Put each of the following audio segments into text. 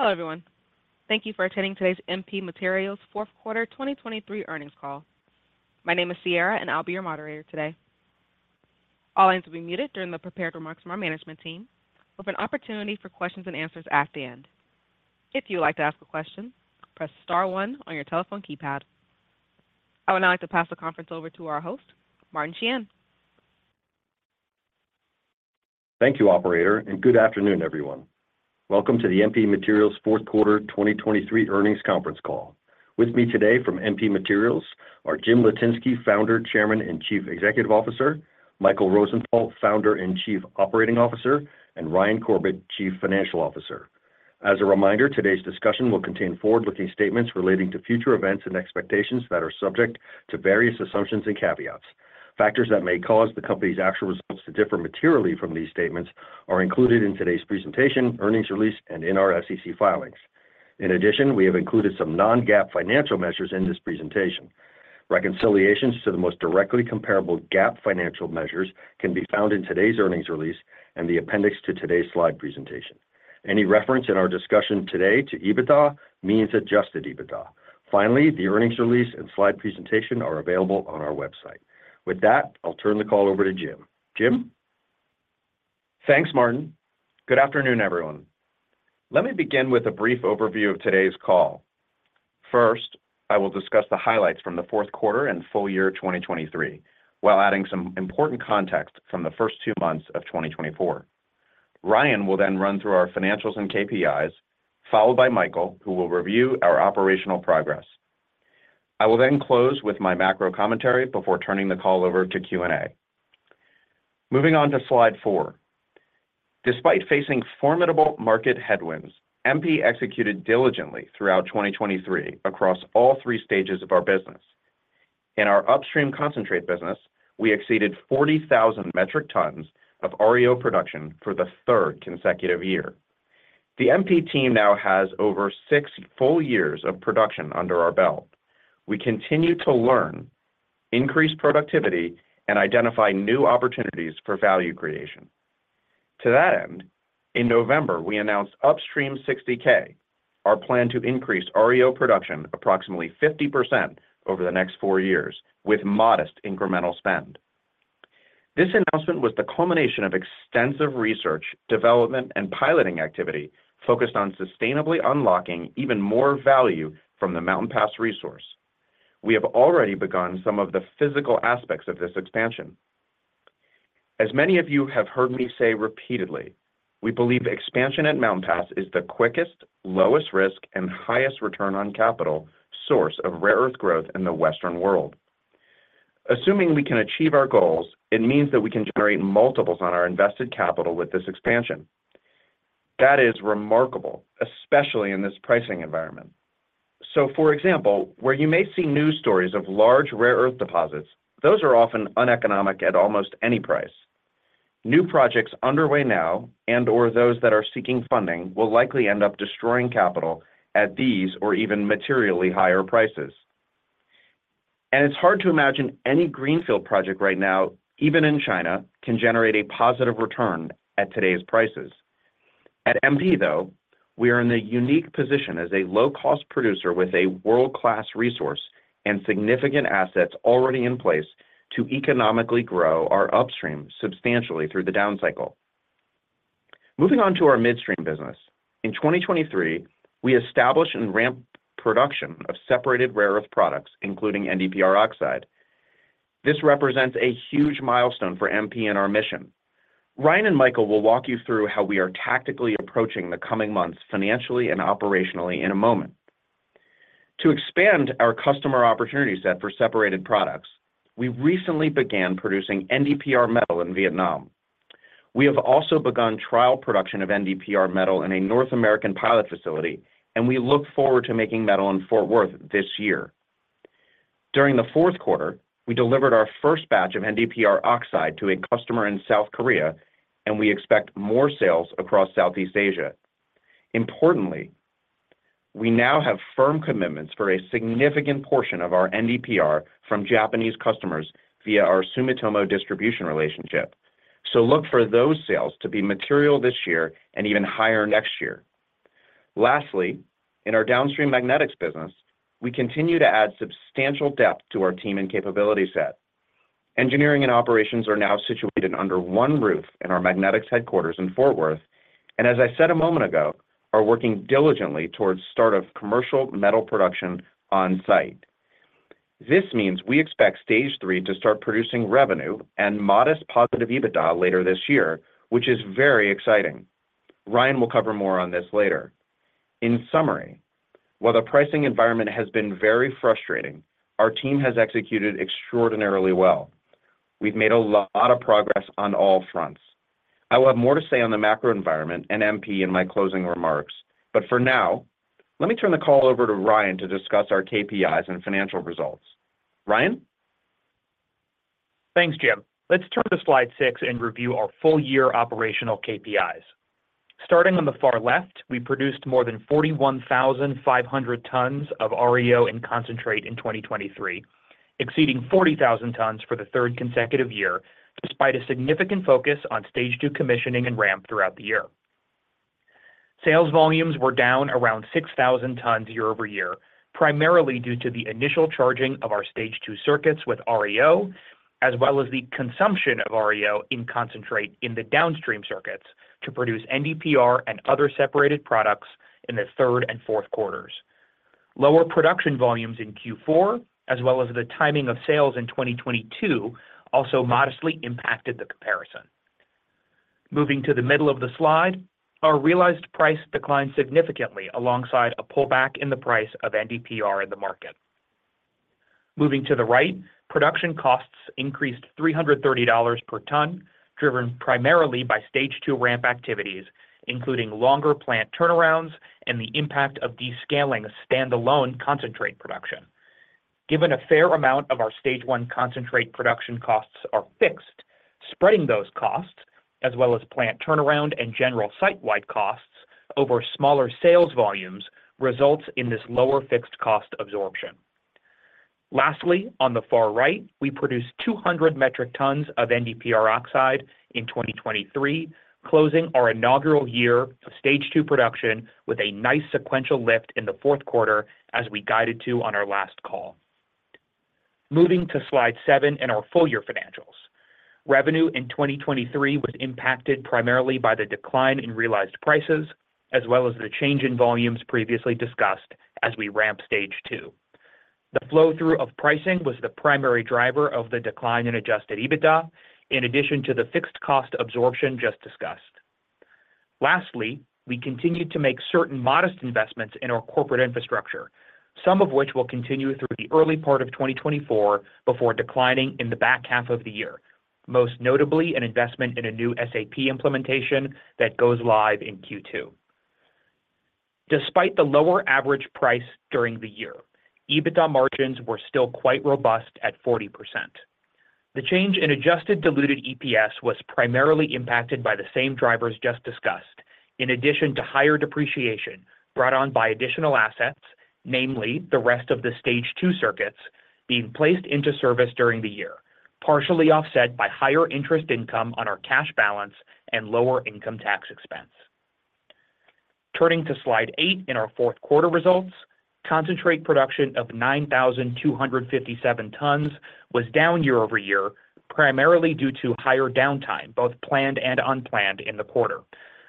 Hello everyone. Thank you for attending today's MP Materials fourth quarter 2023 earnings call. My name is Sierra and I'll be your moderator today. All lines will be muted during the prepared remarks from our management team, with an opportunity for questions and answers at the end. If you would like to ask a question, press star one on your telephone keypad. I would now like to pass the conference over to our host, Martin Sheehan. Thank you, operator, and good afternoon everyone. Welcome to the MP Materials fourth quarter 2023 earnings conference call. With me today from MP Materials are Jim Litinsky, Founder, Chairman, and Chief Executive Officer; Michael Rosenthal, Founder and Chief Operating Officer; and Ryan Corbett, Chief Financial Officer. As a reminder, today's discussion will contain forward-looking statements relating to future events and expectations that are subject to various assumptions and caveats. Factors that may cause the company's actual results to differ materially from these statements are included in today's presentation, earnings release, and in our SEC filings. In addition, we have included some non-GAAP financial measures in this presentation. Reconciliations to the most directly comparable GAAP financial measures can be found in today's earnings release and the appendix to today's slide presentation. Any reference in our discussion today to EBITDA means adjusted EBITDA. Finally, the earnings release and slide presentation are available on our website. With that, I'll turn the call over to Jim. Jim? Thanks, Martin. Good afternoon everyone. Let me begin with a brief overview of today's call. First, I will discuss the highlights from the fourth quarter and full year 2023, while adding some important context from the first two months of 2024. Ryan will then run through our financials and KPIs, followed by Michael, who will review our operational progress. I will then close with my macro commentary before turning the call over to Q&A. Moving on to slide four. Despite facing formidable market headwinds, MP executed diligently throughout 2023 across all three stages of our business. In our upstream concentrate business, we exceeded 40,000 metric tons of REO production for the third consecutive year. The MP team now has over six full years of production under our belt. We continue to learn, increase productivity, and identify new opportunities for value creation. To that end, in November we announced Upstream 60K, our plan to increase REO production approximately 50% over the next four years with modest incremental spend. This announcement was the culmination of extensive research, development, and piloting activity focused on sustainably unlocking even more value from the Mountain Pass resource. We have already begun some of the physical aspects of this expansion. As many of you have heard me say repeatedly, we believe expansion at Mountain Pass is the quickest, lowest risk, and highest return on capital source of rare earth growth in the Western world. Assuming we can achieve our goals, it means that we can generate multiples on our invested capital with this expansion. That is remarkable, especially in this pricing environment. So, for example, where you may see news stories of large rare earth deposits, those are often uneconomic at almost any price. New projects underway now and/or those that are seeking funding will likely end up destroying capital at these or even materially higher prices. It's hard to imagine any greenfield project right now, even in China, can generate a positive return at today's prices. At MP, though, we are in the unique position as a low-cost producer with a world-class resource and significant assets already in place to economically grow our upstream substantially through the downcycle. Moving on to our midstream business. In 2023, we established and ramped production of separated rare earth products, including NdPr oxide. This represents a huge milestone for MP and our mission. Ryan and Michael will walk you through how we are tactically approaching the coming months financially and operationally in a moment. To expand our customer opportunity set for separated products, we recently began producing NdPr metal in Vietnam. We have also begun trial production of NdPr metal in a North American pilot facility, and we look forward to making metal in Fort Worth this year. During the fourth quarter, we delivered our first batch of NdPr oxide to a customer in South Korea, and we expect more sales across Southeast Asia. Importantly, we now have firm commitments for a significant portion of our NdPr from Japanese customers via our Sumitomo distribution relationship, so look for those sales to be material this year and even higher next year. Lastly, in our downstream magnetics business, we continue to add substantial depth to our team and capability set. Engineering and operations are now situated under one roof in our magnetics headquarters in Fort Worth, and as I said a moment ago, are working diligently towards the start of commercial metal production on site. This means we expect stage III to start producing revenue and modest positive EBITDA later this year, which is very exciting. Ryan will cover more on this later. In summary, while the pricing environment has been very frustrating, our team has executed extraordinarily well. We've made a lot of progress on all fronts. I will have more to say on the macro environment and MP in my closing remarks, but for now, let me turn the call over to Ryan to discuss our KPIs and financial results. Ryan? Thanks, Jim. Let's turn to slide six and review our full year operational KPIs. Starting on the far left, we produced more than 41,500 tons of REO in concentrate in 2023, exceeding 40,000 tons for the third consecutive year despite a significant focus on stage II commissioning and ramp throughout the year. Sales volumes were down around 6,000 tons year-over-year, primarily due to the initial charging of our Stage II circuits with REO, as well as the consumption of REO in concentrate in the downstream circuits to produce NdPr and other separated products in the third and fourth quarters. Lower production volumes in Q4, as well as the timing of sales in 2022, also modestly impacted the comparison. Moving to the middle of the slide, our realized price declined significantly alongside a pullback in the price of NdPr in the market. Moving to the right, production costs increased $330 per ton, driven primarily by Stage II ramp activities, including longer plant turnarounds and the impact of descaling standalone concentrate production. Given a fair amount of our stage I concentrate production costs are fixed, spreading those costs, as well as plant turnaround and general site-wide costs, over smaller sales volumes results in this lower fixed cost absorption. Lastly, on the far right, we produced 200 metric tons of NdPr oxide in 2023, closing our inaugural year of stage II production with a nice sequential lift in the fourth quarter, as we guided to on our last call. Moving to slide seven and our full year financials. Revenue in 2023 was impacted primarily by the decline in realized prices, as well as the change in volumes previously discussed as we ramp stage II. The flow-through of pricing was the primary driver of the decline in Adjusted EBITDA, in addition to the fixed cost absorption just discussed. Lastly, we continued to make certain modest investments in our corporate infrastructure, some of which will continue through the early part of 2024 before declining in the back half of the year, most notably an investment in a new SAP implementation that goes live in Q2. Despite the lower average price during the year, EBITDA margins were still quite robust at 40%. The change in Adjusted diluted EPS was primarily impacted by the same drivers just discussed, in addition to higher depreciation brought on by additional assets, namely the rest of the stage II circuits being placed into service during the year, partially offset by higher interest income on our cash balance and lower income tax expense. Turning to slide eight and our fourth quarter results, concentrate production of 9,257 tons was down year-over-year, primarily due to higher downtime, both planned and unplanned, in the quarter.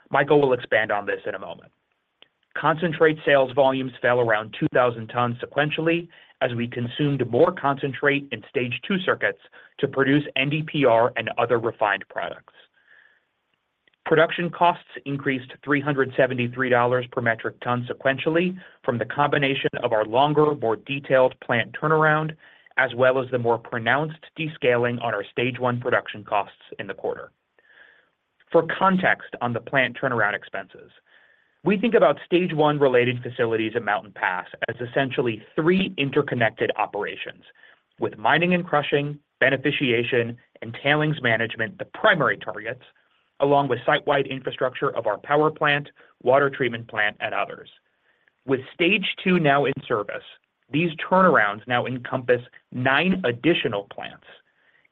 Michael will expand on this in a moment. Concentrate sales volumes fell around 2,000 tons sequentially as we consumed more concentrate in stage II circuits to produce NdPr and other refined products. Production costs increased $373 per metric ton sequentially from the combination of our longer, more detailed plant turnaround, as well as the more pronounced descaling on our stage I production costs in the quarter. For context on the plant turnaround expenses, we think about stage I related facilities at Mountain Pass as essentially three interconnected operations, with mining and crushing, beneficiation, and tailings management the primary targets, along with site-wide infrastructure of our power plant, water treatment plant, and others. With Stage II now in service, these turnarounds now encompass nine additional plants,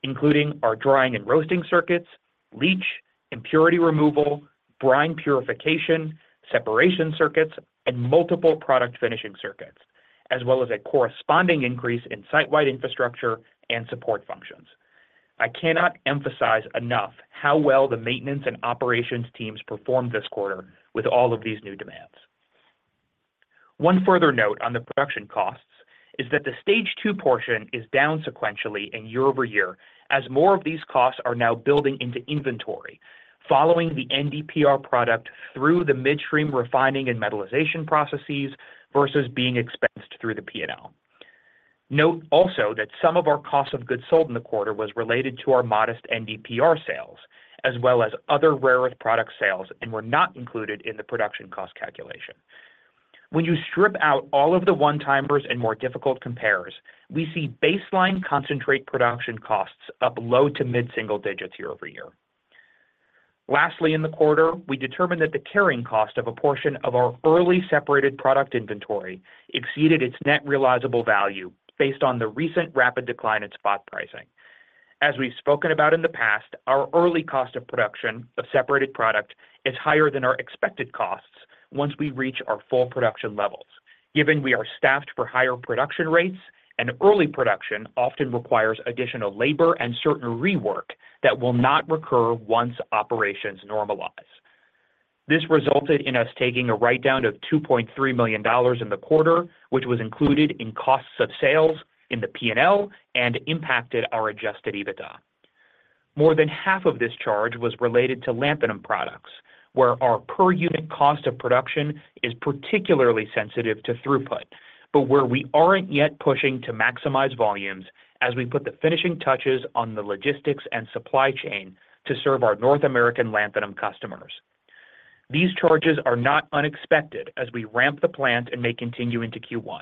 including our drying and roasting circuits, leach, impurity removal, brine purification, separation circuits, and multiple product finishing circuits, as well as a corresponding increase in site-wide infrastructure and support functions. I cannot emphasize enough how well the maintenance and operations teams performed this quarter with all of these new demands. One further note on the production costs is that the Stage II portion is down sequentially and year over year as more of these costs are now building into inventory, following the NdPr product through the midstream refining and metallization processes versus being expensed through the P&L. Note also that some of our cost of goods sold in the quarter was related to our modest NdPr sales, as well as other rare earth product sales, and were not included in the production cost calculation. When you strip out all of the one-timers and more difficult compares, we see baseline concentrate production costs up low- to mid-single digits year-over-year. Lastly, in the quarter, we determined that the carrying cost of a portion of our early separated product inventory exceeded its net realizable value based on the recent rapid decline in spot pricing. As we've spoken about in the past, our early cost of production of separated product is higher than our expected costs once we reach our full production levels, given we are staffed for higher production rates and early production often requires additional labor and certain rework that will not recur once operations normalize. This resulted in us taking a write-down of $2.3 million in the quarter, which was included in cost of sales in the P&L and impacted our adjusted EBITDA. More than half of this charge was related to lanthanum products, where our per unit cost of production is particularly sensitive to throughput, but where we aren't yet pushing to maximize volumes as we put the finishing touches on the logistics and supply chain to serve our North American lanthanum customers. These charges are not unexpected as we ramp the plant and may continue into Q1.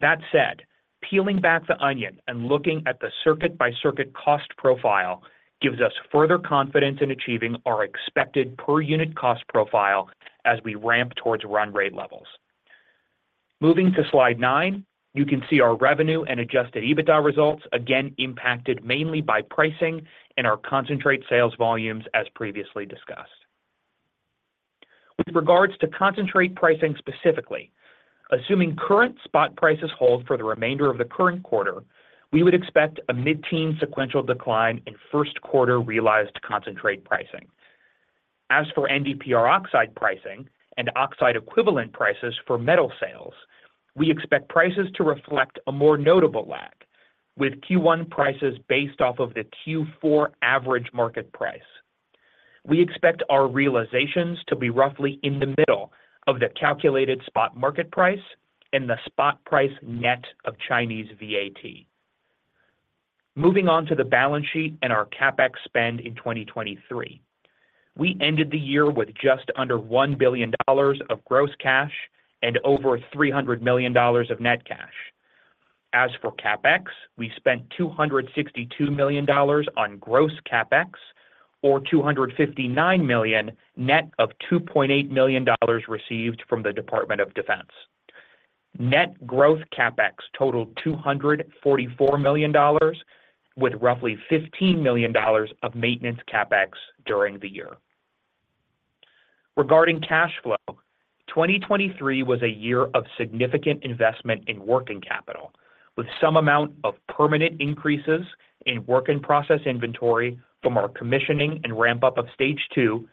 That said, peeling back the onion and looking at the circuit-by-circuit cost profile gives us further confidence in achieving our expected per unit cost profile as we ramp towards run rate levels. Moving to slide nine, you can see our revenue and adjusted EBITDA results again impacted mainly by pricing and our concentrate sales volumes, as previously discussed. With regards to concentrate pricing specifically, assuming current spot prices hold for the remainder of the current quarter, we would expect a mid-teens sequential decline in first quarter realized concentrate pricing. As for NdPr oxide pricing and oxide equivalent prices for metal sales, we expect prices to reflect a more notable lag, with Q1 prices based off of the Q4 average market price. We expect our realizations to be roughly in the middle of the calculated spot market price and the spot price net of Chinese VAT. Moving on to the balance sheet and our CapEx spend in 2023. We ended the year with just under $1 billion of gross cash and over $300 million of net cash. As for CapEx, we spent $262 million on gross CapEx, or $259 million net of $2.8 million received from the Department of Defense. Net gross CapEx totaled $244 million, with roughly $15 million of Maintenance CapEx during the year. Regarding cash flow, 2023 was a year of significant investment in working capital, with some amount of permanent increases in work-in-process inventory from our commissioning and ramp-up of stage II,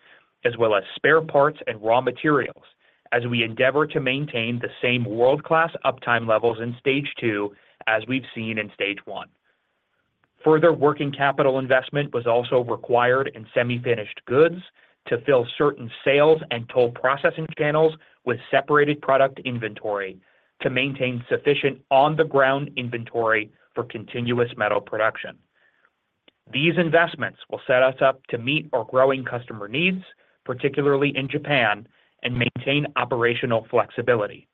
as well as spare parts and raw materials as we endeavor to maintain the same world-class uptime levels in stage II as we've seen in stage I. Further working capital investment was also required in semi-finished goods to fill certain sales and toll processing channels with separated product inventory to maintain sufficient on-the-ground inventory for continuous metal production. These investments will set us up to meet our growing customer needs, particularly in Japan, and maintain operational flexibility.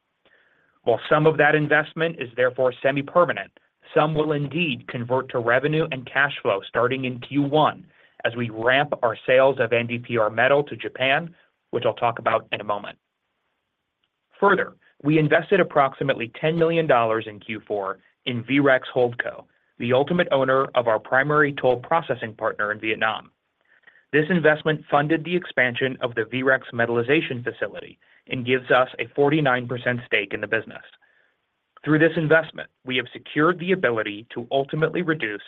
While some of that investment is therefore semi-permanent, some will indeed convert to revenue and cash flow starting in Q1 as we ramp our sales of NdPr metal to Japan, which I'll talk about in a moment. Further, we invested approximately $10 million in Q4 in VREX Holdco, the ultimate owner of our primary toll processing partner in Vietnam. This investment funded the expansion of the VREX metalization facility and gives us a 49% stake in the business. Through this investment, we have secured the ability to ultimately reduce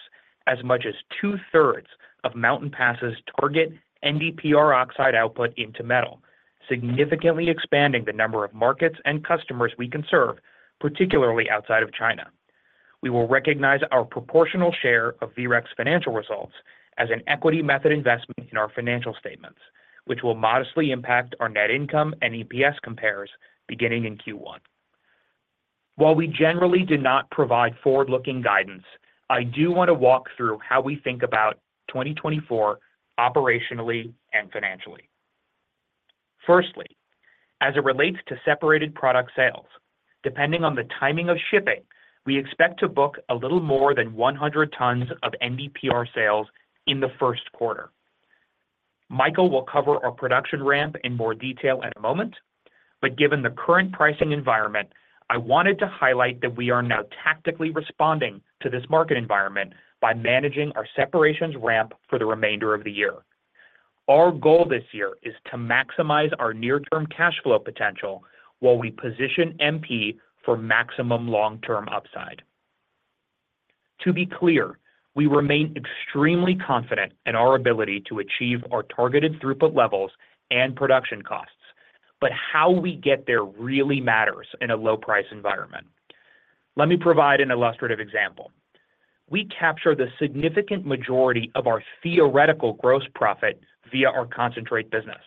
as much as 2/3 of Mountain Pass's target NdPr oxide output into metal, significantly expanding the number of markets and customers we conserve, particularly outside of China. We will recognize our proportional share of VREX financial results as an equity method investment in our financial statements, which will modestly impact our net income and EPS compares beginning in Q1. While we generally do not provide forward-looking guidance, I do want to walk through how we think about 2024 operationally and financially. Firstly, as it relates to separated product sales, depending on the timing of shipping, we expect to book a little more than 100 tons of NdPr sales in the first quarter. Michael will cover our production ramp in more detail in a moment, but given the current pricing environment, I wanted to highlight that we are now tactically responding to this market environment by managing our separations ramp for the remainder of the year. Our goal this year is to maximize our near-term cash flow potential while we position MP for maximum long-term upside. To be clear, we remain extremely confident in our ability to achieve our targeted throughput levels and production costs, but how we get there really matters in a low-price environment. Let me provide an illustrative example. We capture the significant majority of our theoretical gross profit via our concentrate business,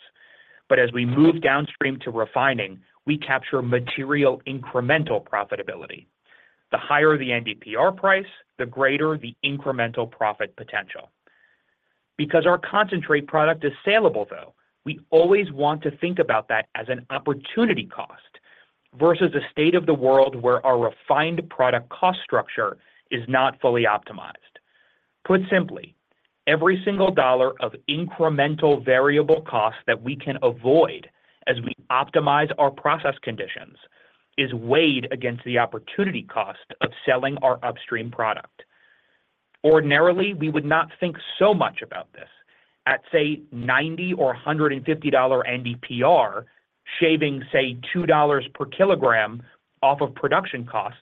but as we move downstream to refining, we capture material incremental profitability. The higher the NdPr price, the greater the incremental profit potential. Because our concentrate product is saleable, though, we always want to think about that as an opportunity cost versus a state of the world where our refined product cost structure is not fully optimized. Put simply, every single dollar of incremental variable cost that we can avoid as we optimize our process conditions is weighed against the opportunity cost of selling our upstream product. Ordinarily, we would not think so much about this. At, say, $90 or $150 NdPr, shaving, say, $2 per kilogram off of production costs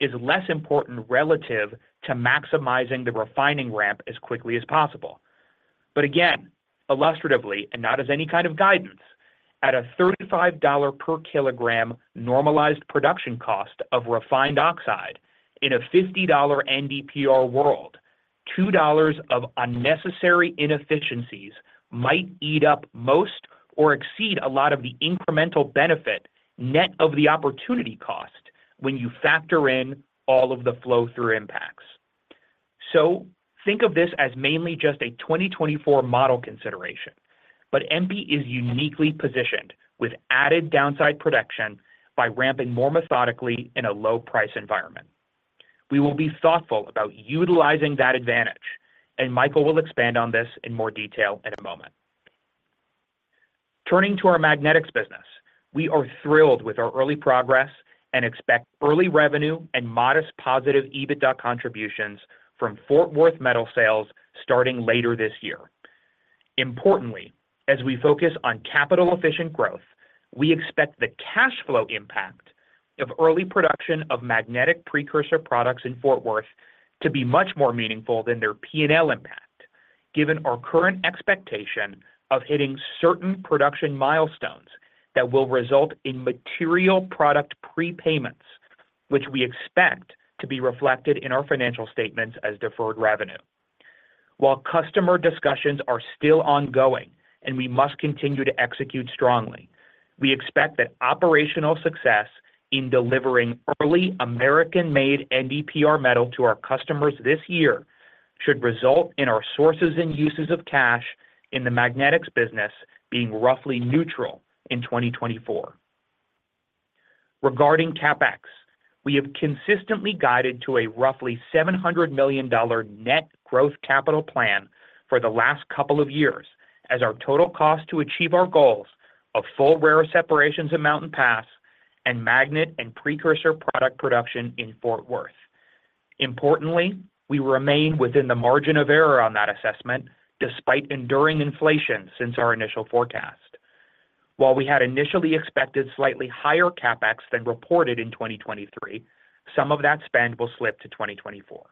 is less important relative to maximizing the refining ramp as quickly as possible. But again, illustratively and not as any kind of guidance, at a $35 per kilogram normalized production cost of refined oxide in a $50 NdPr world, $2 of unnecessary inefficiencies might eat up most or exceed a lot of the incremental benefit net of the opportunity cost when you factor in all of the flow-through impacts. So think of this as mainly just a 2024 model consideration, but MP is uniquely positioned with added downside production by ramping more methodically in a low-price environment. We will be thoughtful about utilizing that advantage, and Michael will expand on this in more detail in a moment. Turning to our magnetics business, we are thrilled with our early progress and expect early revenue and modest positive EBITDA contributions from Fort Worth metal sales starting later this year. Importantly, as we focus on capital-efficient growth, we expect the cash flow impact of early production of magnetic precursor products in Fort Worth to be much more meaningful than their P&L impact, given our current expectation of hitting certain production milestones that will result in material product prepayments, which we expect to be reflected in our financial statements as deferred revenue. While customer discussions are still ongoing and we must continue to execute strongly, we expect that operational success in delivering early American-made NdPr metal to our customers this year should result in our sources and uses of cash in the magnetics business being roughly neutral in 2024. Regarding CapEx, we have consistently guided to a roughly $700 million net growth capital plan for the last couple of years as our total cost to achieve our goals of full rare separations at Mountain Pass and magnet and precursor product production in Fort Worth. Importantly, we remain within the margin of error on that assessment despite enduring inflation since our initial forecast. While we had initially expected slightly higher CapEx than reported in 2023, some of that spend will slip to 2024.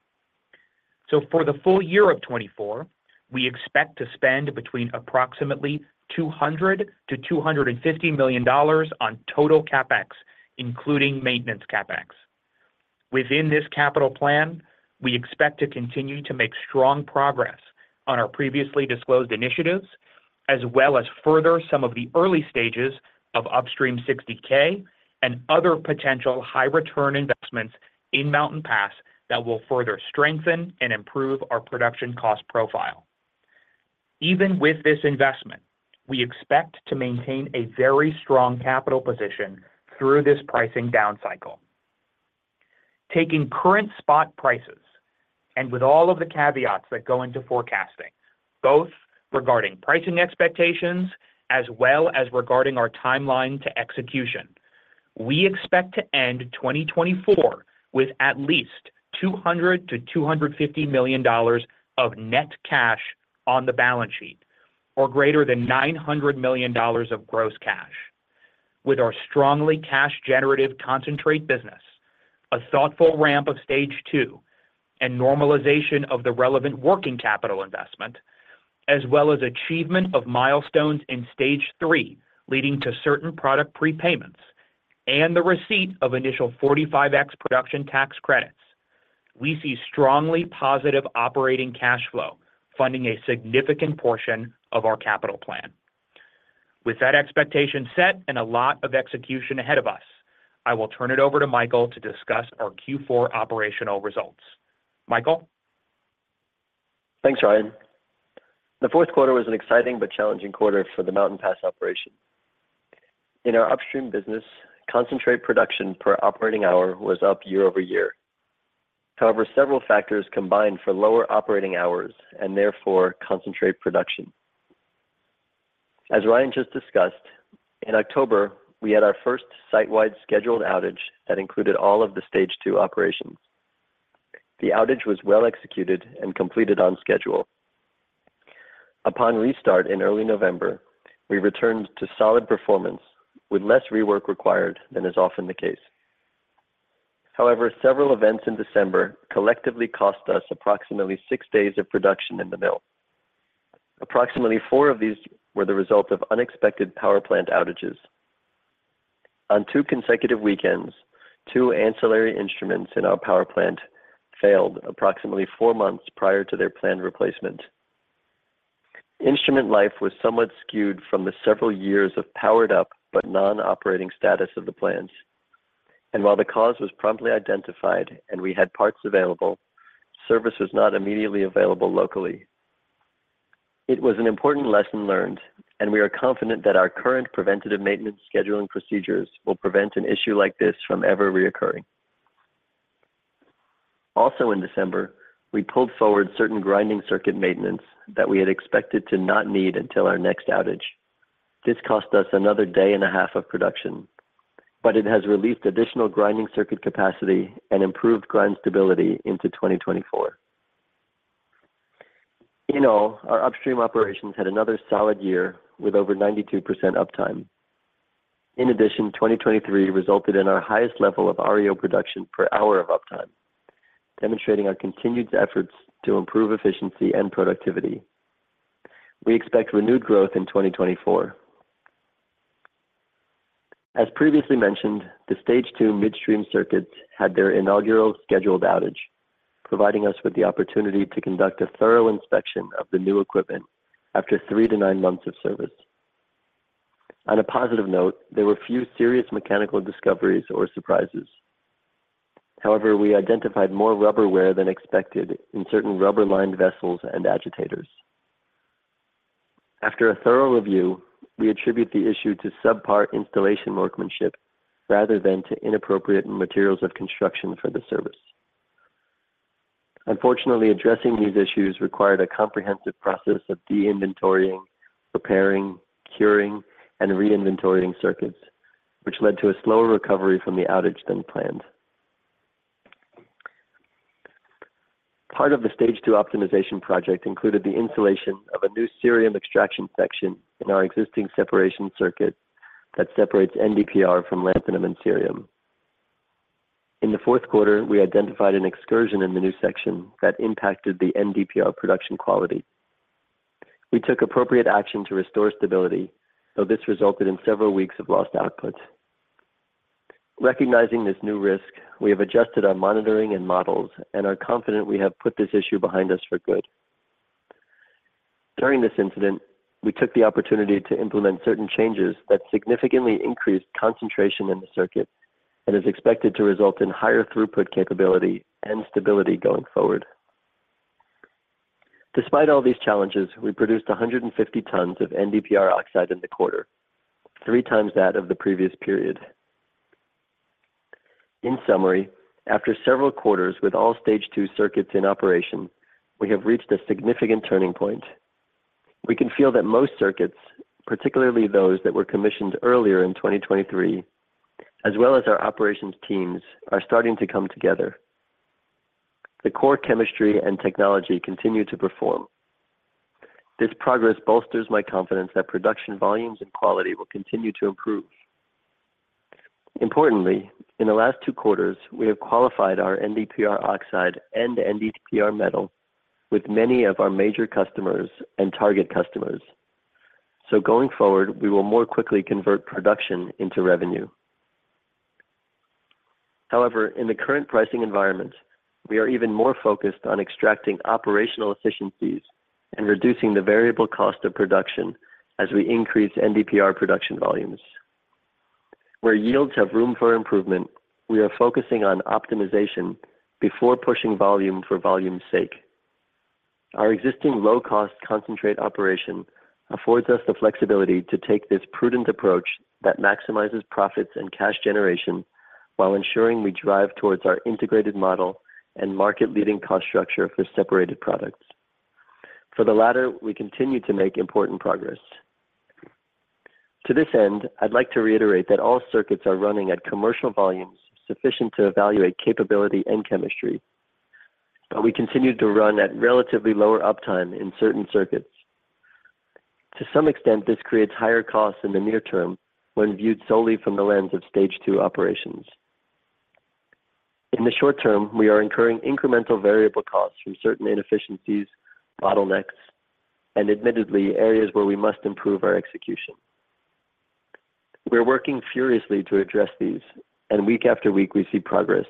So for the full year of 2024, we expect to spend between approximately $200 million-$250 million on total CapEx, including maintenance CapEx. Within this capital plan, we expect to continue to make strong progress on our previously disclosed initiatives, as well as further some of the early stages of Upstream 60K and other potential high-return investments in Mountain Pass that will further strengthen and improve our production cost profile. Even with this investment, we expect to maintain a very strong capital position through this pricing down cycle. Taking current spot prices and with all of the caveats that go into forecasting, both regarding pricing expectations as well as regarding our timeline to execution, we expect to end 2024 with at least $200 million-$250 million of net cash on the balance sheet or greater than $900 million of gross cash. With our strongly cash-generative concentrate business, a thoughtful ramp of stage II and normalization of the relevant working capital investment, as well as achievement of milestones in stage III leading to certain product prepayments and the receipt of initial 45x production tax credits, we see strongly positive operating cash flow funding a significant portion of our capital plan. With that expectation set and a lot of execution ahead of us, I will turn it over to Michael to discuss our Q4 operational results. Michael? Thanks, Ryan. The fourth quarter was an exciting but challenging quarter for the Mountain Pass operation. In our upstream business, concentrate production per operating hour was up year-over-year. However, several factors combined for lower operating hours and therefore concentrate production. As Ryan just discussed, in October, we had our first site-wide scheduled outage that included all of the stage II operations. The outage was well executed and completed on schedule. Upon restart in early November, we returned to solid performance with less rework required than is often the case. However, several events in December collectively cost us approximately six days of production in the mill. Approximately four of these were the result of unexpected power plant outages. On two consecutive weekends, two ancillary instruments in our power plant failed approximately four months prior to their planned replacement. Instrument life was somewhat skewed from the several years of powered-up but non-operating status of the plants. While the cause was promptly identified and we had parts available, service was not immediately available locally. It was an important lesson learned, and we are confident that our current preventative maintenance scheduling procedures will prevent an issue like this from ever reoccurring. Also in December, we pulled forward certain grinding circuit maintenance that we had expected to not need until our next outage. This cost us another day and a half of production, but it has released additional grinding circuit capacity and improved grind stability into 2024. In all, our upstream operations had another solid year with over 92% uptime. In addition, 2023 resulted in our highest level of REO production per hour of uptime, demonstrating our continued efforts to improve efficiency and productivity. We expect renewed growth in 2024. As previously mentioned, the stage II midstream circuits had their inaugural scheduled outage, providing us with the opportunity to conduct a thorough inspection of the new equipment after three-nine months of service. On a positive note, there were few serious mechanical discoveries or surprises. However, we identified more rubber wear than expected in certain rubber-lined vessels and agitators. After a thorough review, we attribute the issue to subpar installation workmanship rather than to inappropriate materials of construction for the service. Unfortunately, addressing these issues required a comprehensive process of deinventorying, repairing, curing, and reinventorying circuits, which led to a slower recovery from the outage than planned. Part of the stage II optimization project included the installation of a new cerium extraction section in our existing separation circuit that separates NdPr from lanthanum and cerium. In the fourth quarter, we identified an excursion in the new section that impacted the NdPr production quality. We took appropriate action to restore stability, though this resulted in several weeks of lost output. Recognizing this new risk, we have adjusted our monitoring and models and are confident we have put this issue behind us for good. During this incident, we took the opportunity to implement certain changes that significantly increased concentration in the circuit and is expected to result in higher throughput capability and stability going forward. Despite all these challenges, we produced 150 tons of NdPr oxide in the quarter, three times that of the previous period. In summary, after several quarters with all Stage II circuits in operation, we have reached a significant turning point. We can feel that most circuits, particularly those that were commissioned earlier in 2023, as well as our operations teams, are starting to come together. The core chemistry and technology continue to perform. This progress bolsters my confidence that production volumes and quality will continue to improve. Importantly, in the last two quarters, we have qualified our NdPr oxide and NdPr metal with many of our major customers and target customers. So going forward, we will more quickly convert production into revenue. However, in the current pricing environment, we are even more focused on extracting operational efficiencies and reducing the variable cost of production as we increase NdPr production volumes. Where yields have room for improvement, we are focusing on optimization before pushing volume for volume's sake. Our existing low-cost concentrate operation affords us the flexibility to take this prudent approach that maximizes profits and cash generation while ensuring we drive towards our integrated model and market-leading cost structure for separated products. For the latter, we continue to make important progress. To this end, I'd like to reiterate that all circuits are running at commercial volumes sufficient to evaluate capability and chemistry, but we continue to run at relatively lower uptime in certain circuits. To some extent, this creates higher costs in the near term when viewed solely from the lens of Stage II operations. In the short term, we are incurring incremental variable costs from certain inefficiencies, bottlenecks, and admittedly, areas where we must improve our execution. We're working furiously to address these, and week after week, we see progress,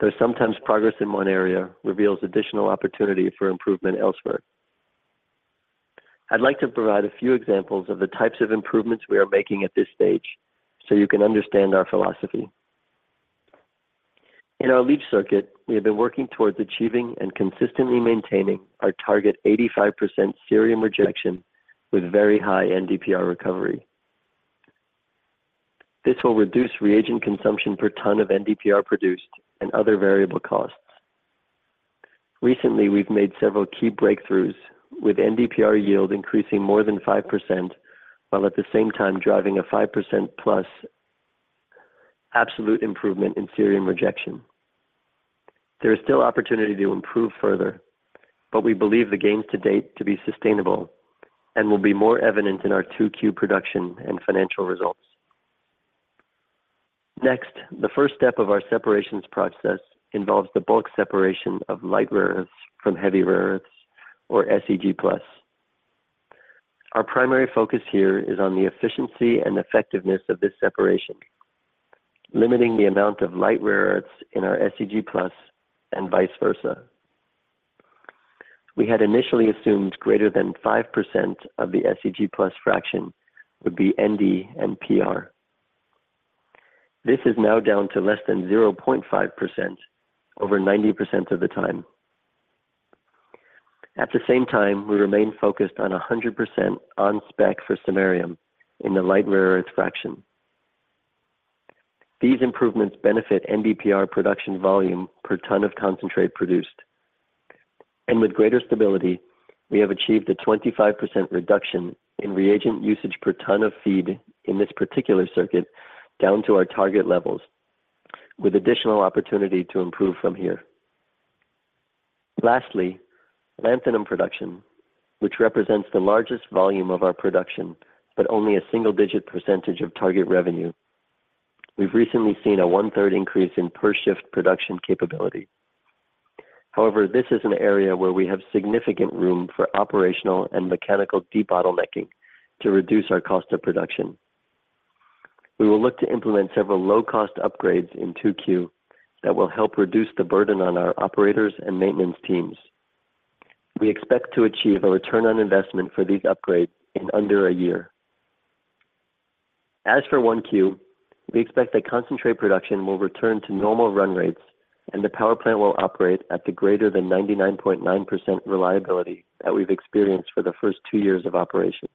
though sometimes progress in one area reveals additional opportunity for improvement elsewhere. I'd like to provide a few examples of the types of improvements we are making at this stage so you can understand our philosophy. In our leach circuit, we have been working towards achieving and consistently maintaining our target 85% cerium rejection with very high NdPr recovery. This will reduce reagent consumption per ton of NdPr produced and other variable costs. Recently, we've made several key breakthroughs with NdPr yield increasing more than 5% while at the same time driving a 5%+ absolute improvement in cerium rejection. There is still opportunity to improve further, but we believe the gains to date to be sustainable and will be more evident in our 2Q production and financial results. Next, the first step of our separations process involves the bulk separation of light rare earths from heavy rare earths, or SEG+. Our primary focus here is on the efficiency and effectiveness of this separation, limiting the amount of light rare earths in our SEG+ and vice versa. We had initially assumed greater than 5% of the SEG+ fraction would be Nd and Pr. This is now down to less than 0.5% over 90% of the time. At the same time, we remain focused on 100% on spec for cerium in the light rare earth fraction. These improvements benefit NdPr production volume per ton of concentrate produced. With greater stability, we have achieved a 25% reduction in reagent usage per ton of feed in this particular circuit down to our target levels, with additional opportunity to improve from here. Lastly, lanthanum production, which represents the largest volume of our production but only a single-digit percentage of target revenue. We've recently seen a 1/3 increase in per-shift production capability. However, this is an area where we have significant room for operational and mechanical debottlenecking to reduce our cost of production. We will look to implement several low-cost upgrades in 2Q that will help reduce the burden on our operators and maintenance teams. We expect to achieve a return on investment for these upgrades in under a year. As for 1Q, we expect that concentrate production will return to normal run rates and the power plant will operate at the greater than 99.9% reliability that we've experienced for the first two years of operation.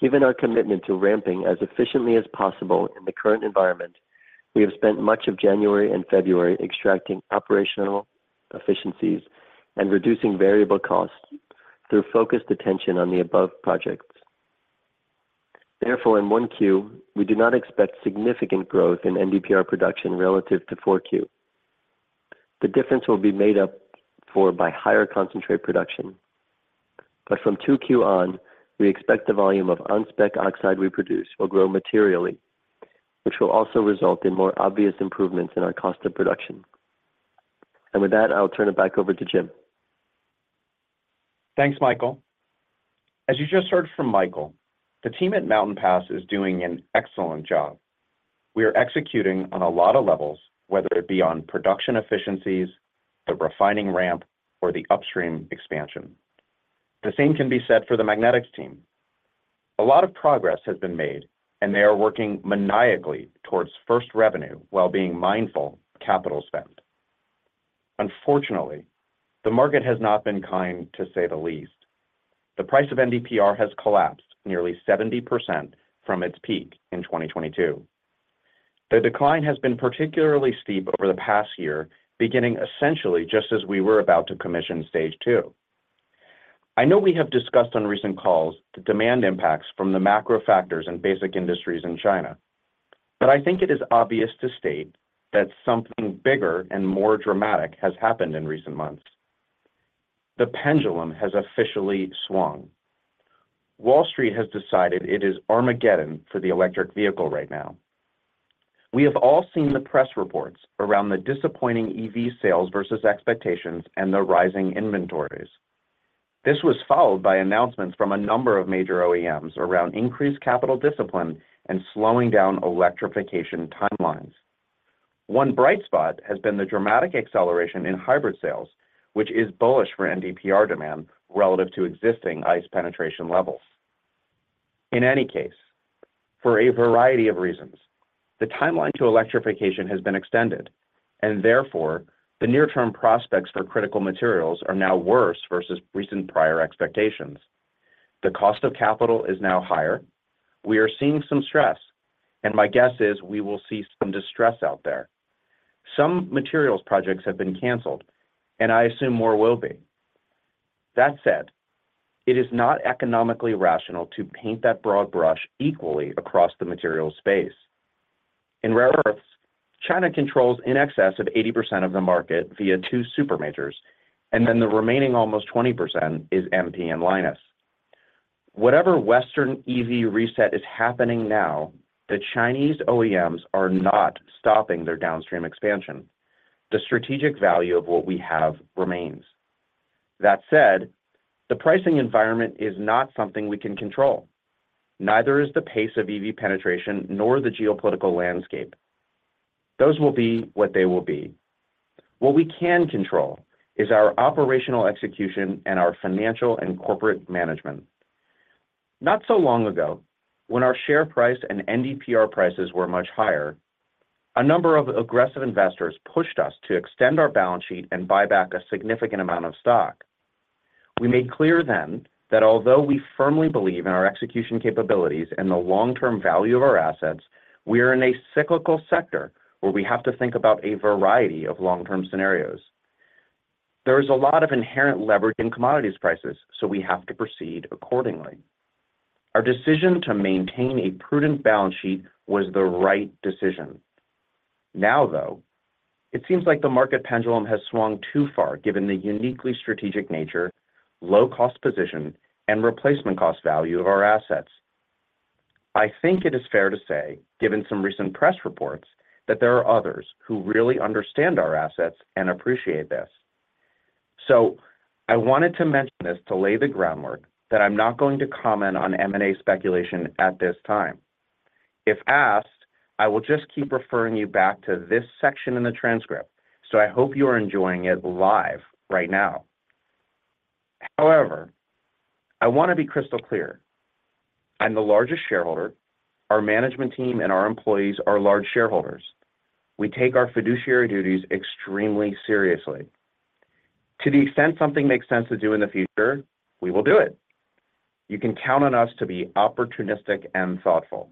Given our commitment to ramping as efficiently as possible in the current environment, we have spent much of January and February extracting operational efficiencies and reducing variable costs through focused attention on the above projects. Therefore, in 1Q, we do not expect significant growth in NdPr production relative to 4Q. The difference will be made up for by higher concentrate production. But from 2Q on, we expect the volume of on-spec oxide we produce will grow materially, which will also result in more obvious improvements in our cost of production. And with that, I'll turn it back over to Jim. Thanks, Michael. As you just heard from Michael, the team at Mountain Pass is doing an excellent job. We are executing on a lot of levels, whether it be on production efficiencies, the refining ramp, or the upstream expansion. The same can be said for the magnetics team. A lot of progress has been made, and they are working maniacally towards first revenue while being mindful of capital spent. Unfortunately, the market has not been kind, to say the least. The price of NdPr has collapsed nearly 70% from its peak in 2022. The decline has been particularly steep over the past year, beginning essentially just as we were about to commission stage II. I know we have discussed on recent calls the demand impacts from the macro factors and basic industries in China, but I think it is obvious to state that something bigger and more dramatic has happened in recent months. The pendulum has officially swung. Wall Street has decided it is Armageddon for the electric vehicle right now. We have all seen the press reports around the disappointing EV sales versus expectations and the rising inventories. This was followed by announcements from a number of major OEMs around increased capital discipline and slowing down electrification timelines. One bright spot has been the dramatic acceleration in hybrid sales, which is bullish for NdPr demand relative to existing ICE penetration levels. In any case, for a variety of reasons, the timeline to electrification has been extended, and therefore, the near-term prospects for critical materials are now worse versus recent prior expectations. The cost of capital is now higher. We are seeing some stress, and my guess is we will see some distress out there. Some materials projects have been canceled, and I assume more will be. That said, it is not economically rational to paint that broad brush equally across the materials space. In rare earths, China controls in excess of 80% of the market via two super majors, and then the remaining almost 20% is MP and Lynas. Whatever Western EV reset is happening now, the Chinese OEMs are not stopping their downstream expansion. The strategic value of what we have remains. That said, the pricing environment is not something we can control. Neither is the pace of EV penetration nor the geopolitical landscape. Those will be what they will be. What we can control is our operational execution and our financial and corporate management. Not so long ago, when our share price and NdPr prices were much higher, a number of aggressive investors pushed us to extend our balance sheet and buy back a significant amount of stock. We made clear then that although we firmly believe in our execution capabilities and the long-term value of our assets, we are in a cyclical sector where we have to think about a variety of long-term scenarios. There is a lot of inherent leverage in commodities prices, so we have to proceed accordingly. Our decision to maintain a prudent balance sheet was the right decision. Now, though, it seems like the market pendulum has swung too far given the uniquely strategic nature, low-cost position, and replacement cost value of our assets. I think it is fair to say, given some recent press reports, that there are others who really understand our assets and appreciate this. So I wanted to mention this to lay the groundwork that I'm not going to comment on M&A speculation at this time. If asked, I will just keep referring you back to this section in the transcript, so I hope you are enjoying it live right now. However, I want to be crystal clear. I'm the largest shareholder. Our management team and our employees are large shareholders. We take our fiduciary duties extremely seriously. To the extent something makes sense to do in the future, we will do it. You can count on us to be opportunistic and thoughtful.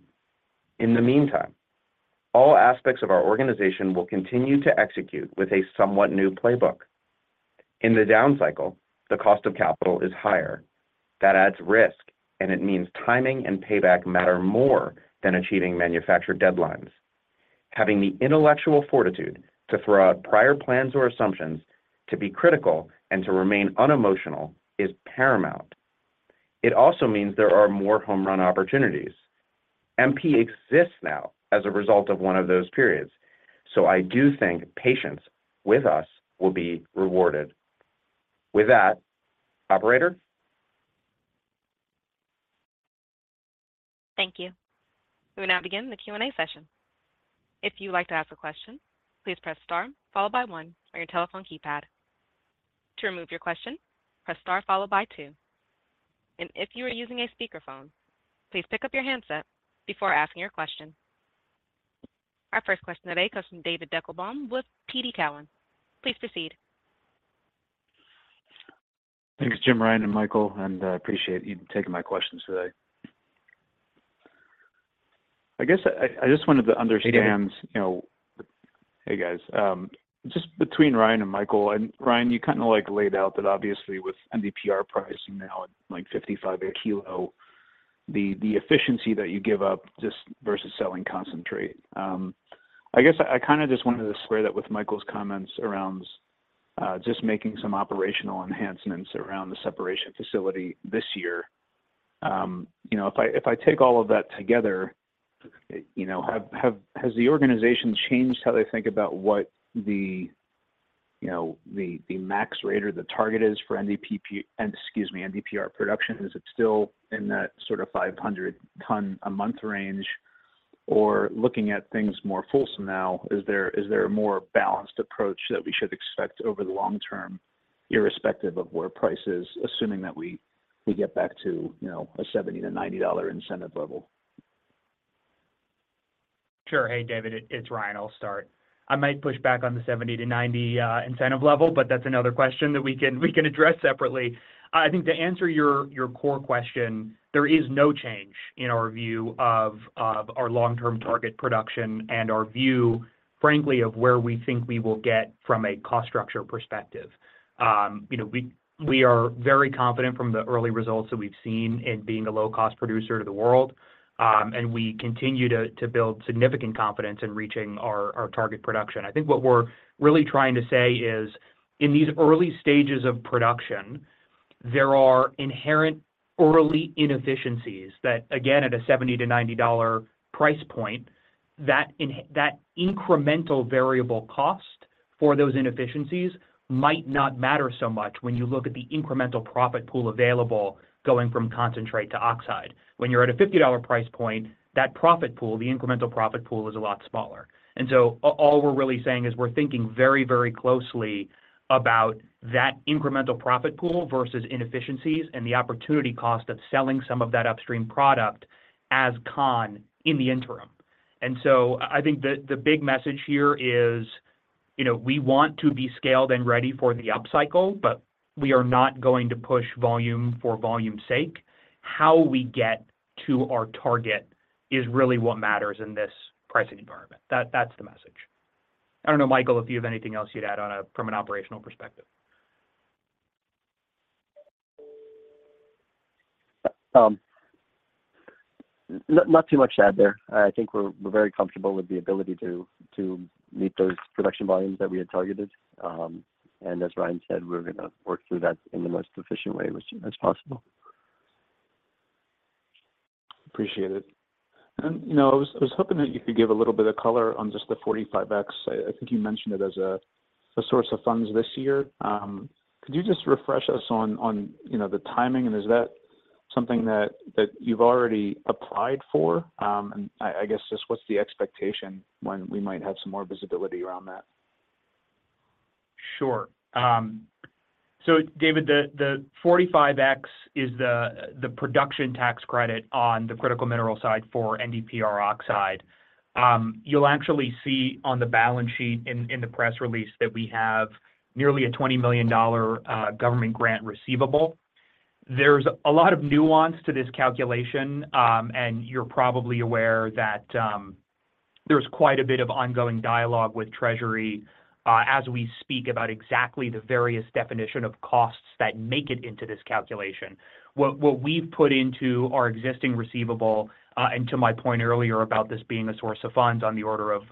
In the meantime, all aspects of our organization will continue to execute with a somewhat new playbook. In the down cycle, the cost of capital is higher. That adds risk, and it means timing and payback matter more than achieving manufactured deadlines. Having the intellectual fortitude to throw out prior plans or assumptions, to be critical, and to remain unemotional is paramount. It also means there are more home run opportunities. MP exists now as a result of one of those periods, so I do think patience with us will be rewarded. With that, operator? Thank you. We will now begin the Q&A session. If you would like to ask a question, please press star followed by one on your telephone keypad. To remove your question, press star followed by two. And if you are using a speakerphone, please pick up your handset before asking your question. Our first question today comes from David Deckelbaum with TD Cowen. Please proceed. Thanks, Jim, Ryan, and Michael, and I appreciate you taking my questions today. I guess I just wanted to understand. Hey David. Hey, guys. Just between Ryan and Michael, and Ryan, you kind of laid out that obviously with NdPr pricing now at $55 a kilo, the efficiency that you give up just versus selling concentrate. I guess I kind of just wanted to square that with Michael's comments around just making some operational enhancements around the separation facility this year. If I take all of that together, has the organization changed how they think about what the max rate or the target is for NdPr production? Is it still in that sort of 500-ton a month range? Or looking at things more fulsome now, is there a more balanced approach that we should expect over the long term irrespective of where price is, assuming that we get back to a $70-$90 dollar incentive level? Sure. Hey, David. It's Ryan. I'll start. I might push back on the $70-$90 incentive level, but that's another question that we can address separately. I think to answer your core question, there is no change in our view of our long-term target production and our view, frankly, of where we think we will get from a cost structure perspective. We are very confident from the early results that we've seen in being a low-cost producer to the world, and we continue to build significant confidence in reaching our target production. I think what we're really trying to say is in these early stages of production, there are inherent early inefficiencies that, again, at a $70-$90 price point, that incremental variable cost for those inefficiencies might not matter so much when you look at the incremental profit pool available going from concentrate to oxide. When you're at a $50 price point, that profit pool, the incremental profit pool, is a lot smaller. And so all we're really saying is we're thinking very, very closely about that incremental profit pool versus inefficiencies and the opportunity cost of selling some of that upstream product as con in the interim. And so I think the big message here is we want to be scaled and ready for the up cycle, but we are not going to push volume for volume's sake. How we get to our target is really what matters in this pricing environment. That's the message. I don't know, Michael, if you have anything else you'd add from an operational perspective. Not too much to add there. I think we're very comfortable with the ability to meet those production volumes that we had targeted. As Ryan said, we're going to work through that in the most efficient way as possible. Appreciate it. And I was hoping that you could give a little bit of color on just the 45x. I think you mentioned it as a source of funds this year. Could you just refresh us on the timing? And is that something that you've already applied for? And I guess just what's the expectation when we might have some more visibility around that? Sure. So, David, the 45x is the production tax credit on the critical mineral side for NdPr oxide. You'll actually see on the balance sheet in the press release that we have nearly a $20 million government grant receivable. There's a lot of nuance to this calculation, and you're probably aware that there's quite a bit of ongoing dialogue with Treasury as we speak about exactly the various definitions of costs that make it into this calculation. What we've put into our existing receivable, and to my point earlier about this being a source of funds on the order of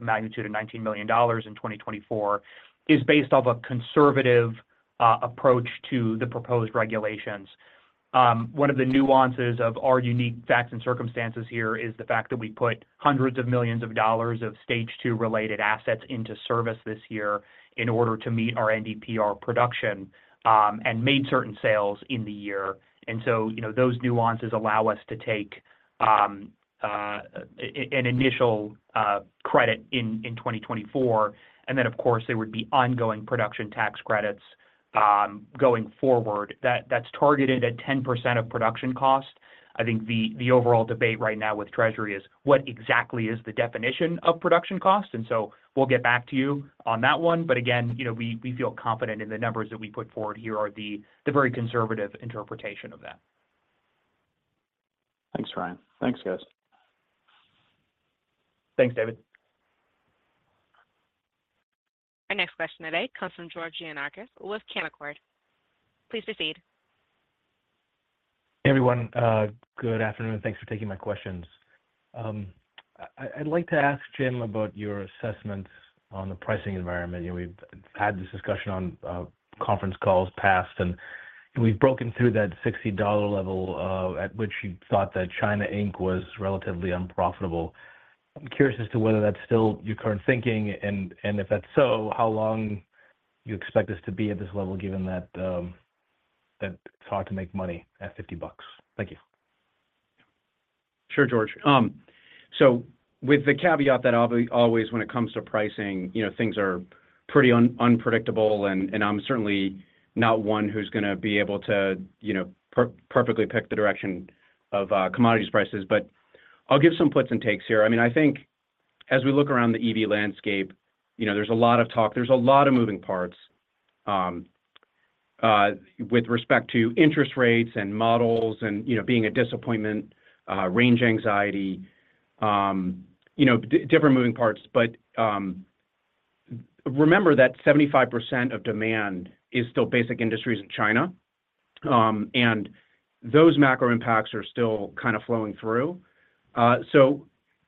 magnitude of $19 million in 2024, is based off a conservative approach to the proposed regulations. One of the nuances of our unique facts and circumstances here is the fact that we put hundreds of millions of dollars of Stage II related assets into service this year in order to meet our NdPr production and made certain sales in the year. So those nuances allow us to take an initial credit in 2024, and then, of course, there would be ongoing production tax credits going forward. That's targeted at 10% of production cost. I think the overall debate right now with Treasury is what exactly is the definition of production cost. So we'll get back to you on that one. But again, we feel confident in the numbers that we put forward here are the very conservative interpretation of that. Thanks, Ryan. Thanks, guys. Thanks, David. Our next question today comes from George Gianarikas with Canaccord. Please proceed. Hey, everyone. Good afternoon. Thanks for taking my questions. I'd like to ask Jim about your assessments on the pricing environment. We've had this discussion on conference calls past, and we've broken through that $60 level at which you thought that China Inc. was relatively unprofitable. I'm curious as to whether that's still your current thinking, and if that's so, how long you expect this to be at this level given that it's hard to make money at $50. Thank you. Sure, George. So with the caveat that always when it comes to pricing, things are pretty unpredictable, and I'm certainly not one who's going to be able to perfectly pick the direction of commodities prices. But I'll give some puts and takes here. I mean, I think as we look around the EV landscape, there's a lot of talk. There's a lot of moving parts with respect to interest rates and models and being a disappointment, range anxiety, different moving parts. But remember that 75% of demand is still basic industries in China, and those macro impacts are still kind of flowing through. So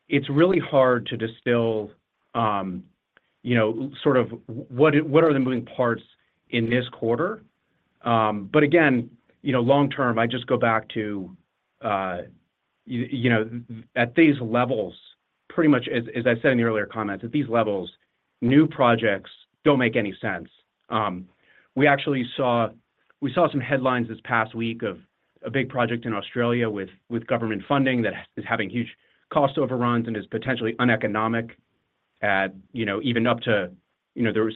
it's really hard to distill sort of what are the moving parts in this quarter. But again, long term, I just go back to at these levels, pretty much as I said in the earlier comments, at these levels, new projects don't make any sense. We actually saw some headlines this past week of a big project in Australia with government funding that is having huge cost overruns and is potentially uneconomic. Even up to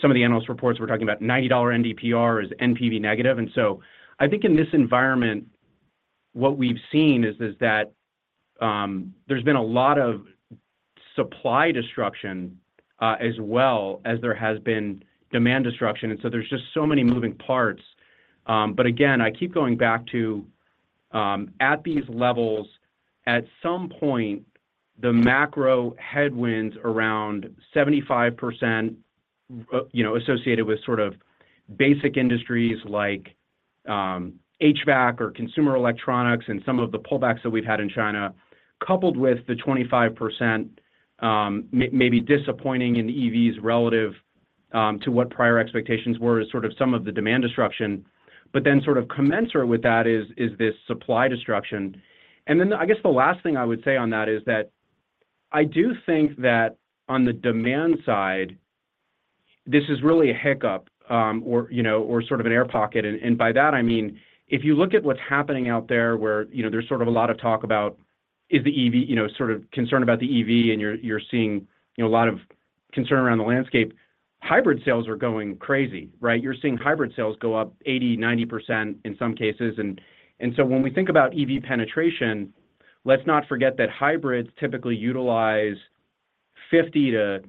some of the analysts' reports were talking about $90 NdPr is NPV negative. And so I think in this environment, what we've seen is that there's been a lot of supply destruction as well as there has been demand destruction. And so there's just so many moving parts. But again, I keep going back to at these levels, at some point, the macro headwinds around 75% associated with sort of basic industries like HVAC or consumer electronics and some of the pullbacks that we've had in China, coupled with the 25% maybe disappointing in the EVs relative to what prior expectations were is sort of some of the demand destruction. But then sort of commensurate with that is this supply destruction. And then I guess the last thing I would say on that is that I do think that on the demand side, this is really a hiccup or sort of an air pocket. And by that, I mean, if you look at what's happening out there where there's sort of a lot of talk about is the EV sort of concern about the EV, and you're seeing a lot of concern around the landscape, hybrid sales are going crazy, right? You're seeing hybrid sales go up 80%-90% in some cases. And so when we think about EV penetration, let's not forget that hybrids typically utilize 50%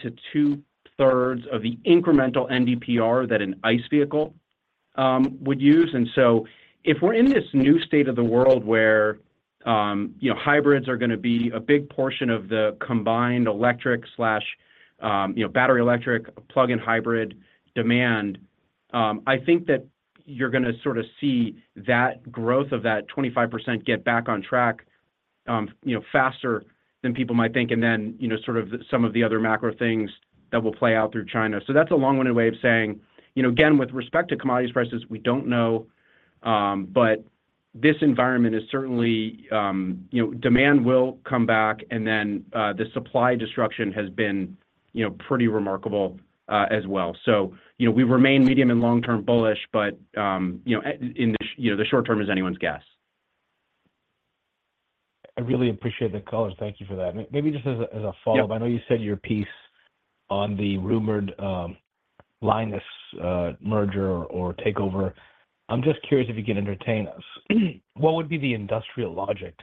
to 2/3 of the incremental NdPr that an ICE vehicle would use. And so if we're in this new state of the world where hybrids are going to be a big portion of the combined electric/battery electric plug-in hybrid demand, I think that you're going to sort of see that growth of that 25% get back on track faster than people might think and then sort of some of the other macro things that will play out through China. So that's a long-winded way of saying, again, with respect to commodities prices, we don't know. But this environment is certainly demand will come back, and then the supply destruction has been pretty remarkable as well. So we remain medium and long-term bullish, but in the short term is anyone's guess. I really appreciate the colors. Thank you for that. Maybe just as a follow-up, I know you said your piece on the rumored Lynas merger or takeover. I'm just curious if you can entertain us. What would be the industrial logic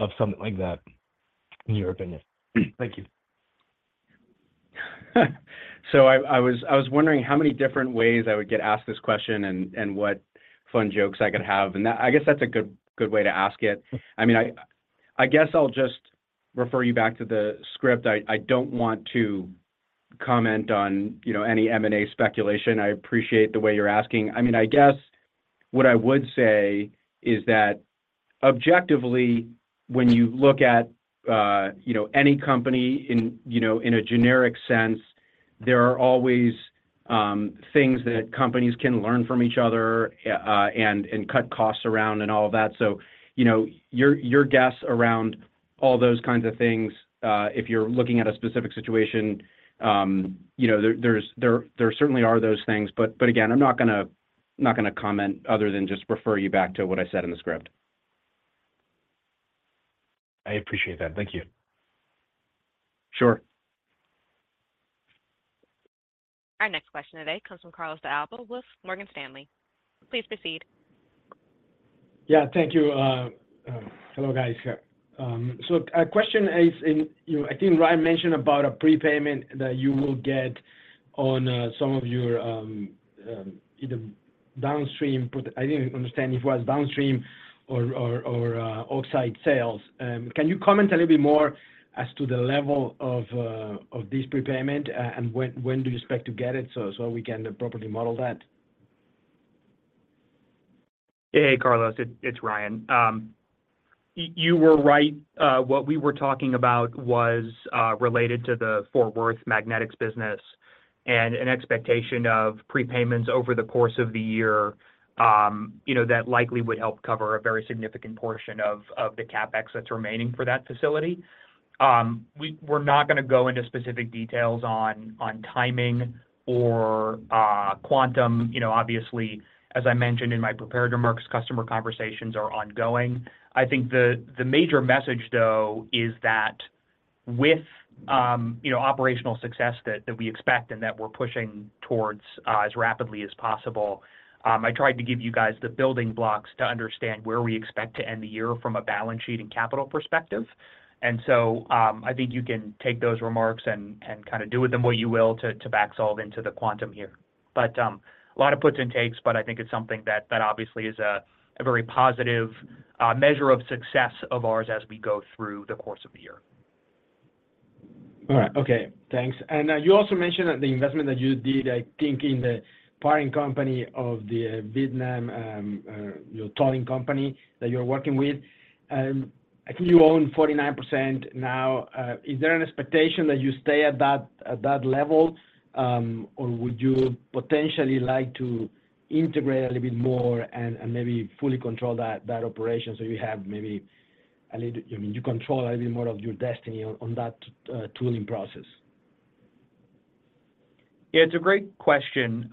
of something like that, in your opinion? Thank you. I was wondering how many different ways I would get asked this question and what fun jokes I could have. I guess that's a good way to ask it. I mean, I guess I'll just refer you back to the script. I don't want to comment on any M&A speculation. I appreciate the way you're asking. I mean, I guess what I would say is that objectively, when you look at any company in a generic sense, there are always things that companies can learn from each other and cut costs around and all of that. Your guess around all those kinds of things, if you're looking at a specific situation, there certainly are those things. Again, I'm not going to comment other than just refer you back to what I said in the script. I appreciate that. Thank you. Sure. Our next question today comes from Carlos De Alba with Morgan Stanley. Please proceed. Yeah, thank you. Hello, guys. So a question is, I think Ryan mentioned about a prepayment that you will get on some of your either downstream. I didn't understand if it was downstream or oxide sales. Can you comment a little bit more as to the level of this prepayment and when do you expect to get it so we can properly model that? Hey, Carlos. It's Ryan. You were right. What we were talking about was related to the Fort Worth magnetics business and an expectation of prepayments over the course of the year that likely would help cover a very significant portion of the CapEx that's remaining for that facility. We're not going to go into specific details on timing or quantum. Obviously, as I mentioned in my prepared remarks, customer conversations are ongoing. I think the major message, though, is that with operational success that we expect and that we're pushing towards as rapidly as possible, I tried to give you guys the building blocks to understand where we expect to end the year from a balance sheet and capital perspective. And so I think you can take those remarks and kind of do with them what you will to back solve into the quantum here. A lot of puts and takes, but I think it's something that obviously is a very positive measure of success of ours as we go through the course of the year. All right. Okay. Thanks. And you also mentioned that the investment that you did, I think, in the parent company of the Vietnam tolling company that you're working with, I think you own 49% now. Is there an expectation that you stay at that level, or would you potentially like to integrate a little bit more and maybe fully control that operation so you have maybe a little I mean, you control a little bit more of your destiny on that tooling process? Yeah, it's a great question.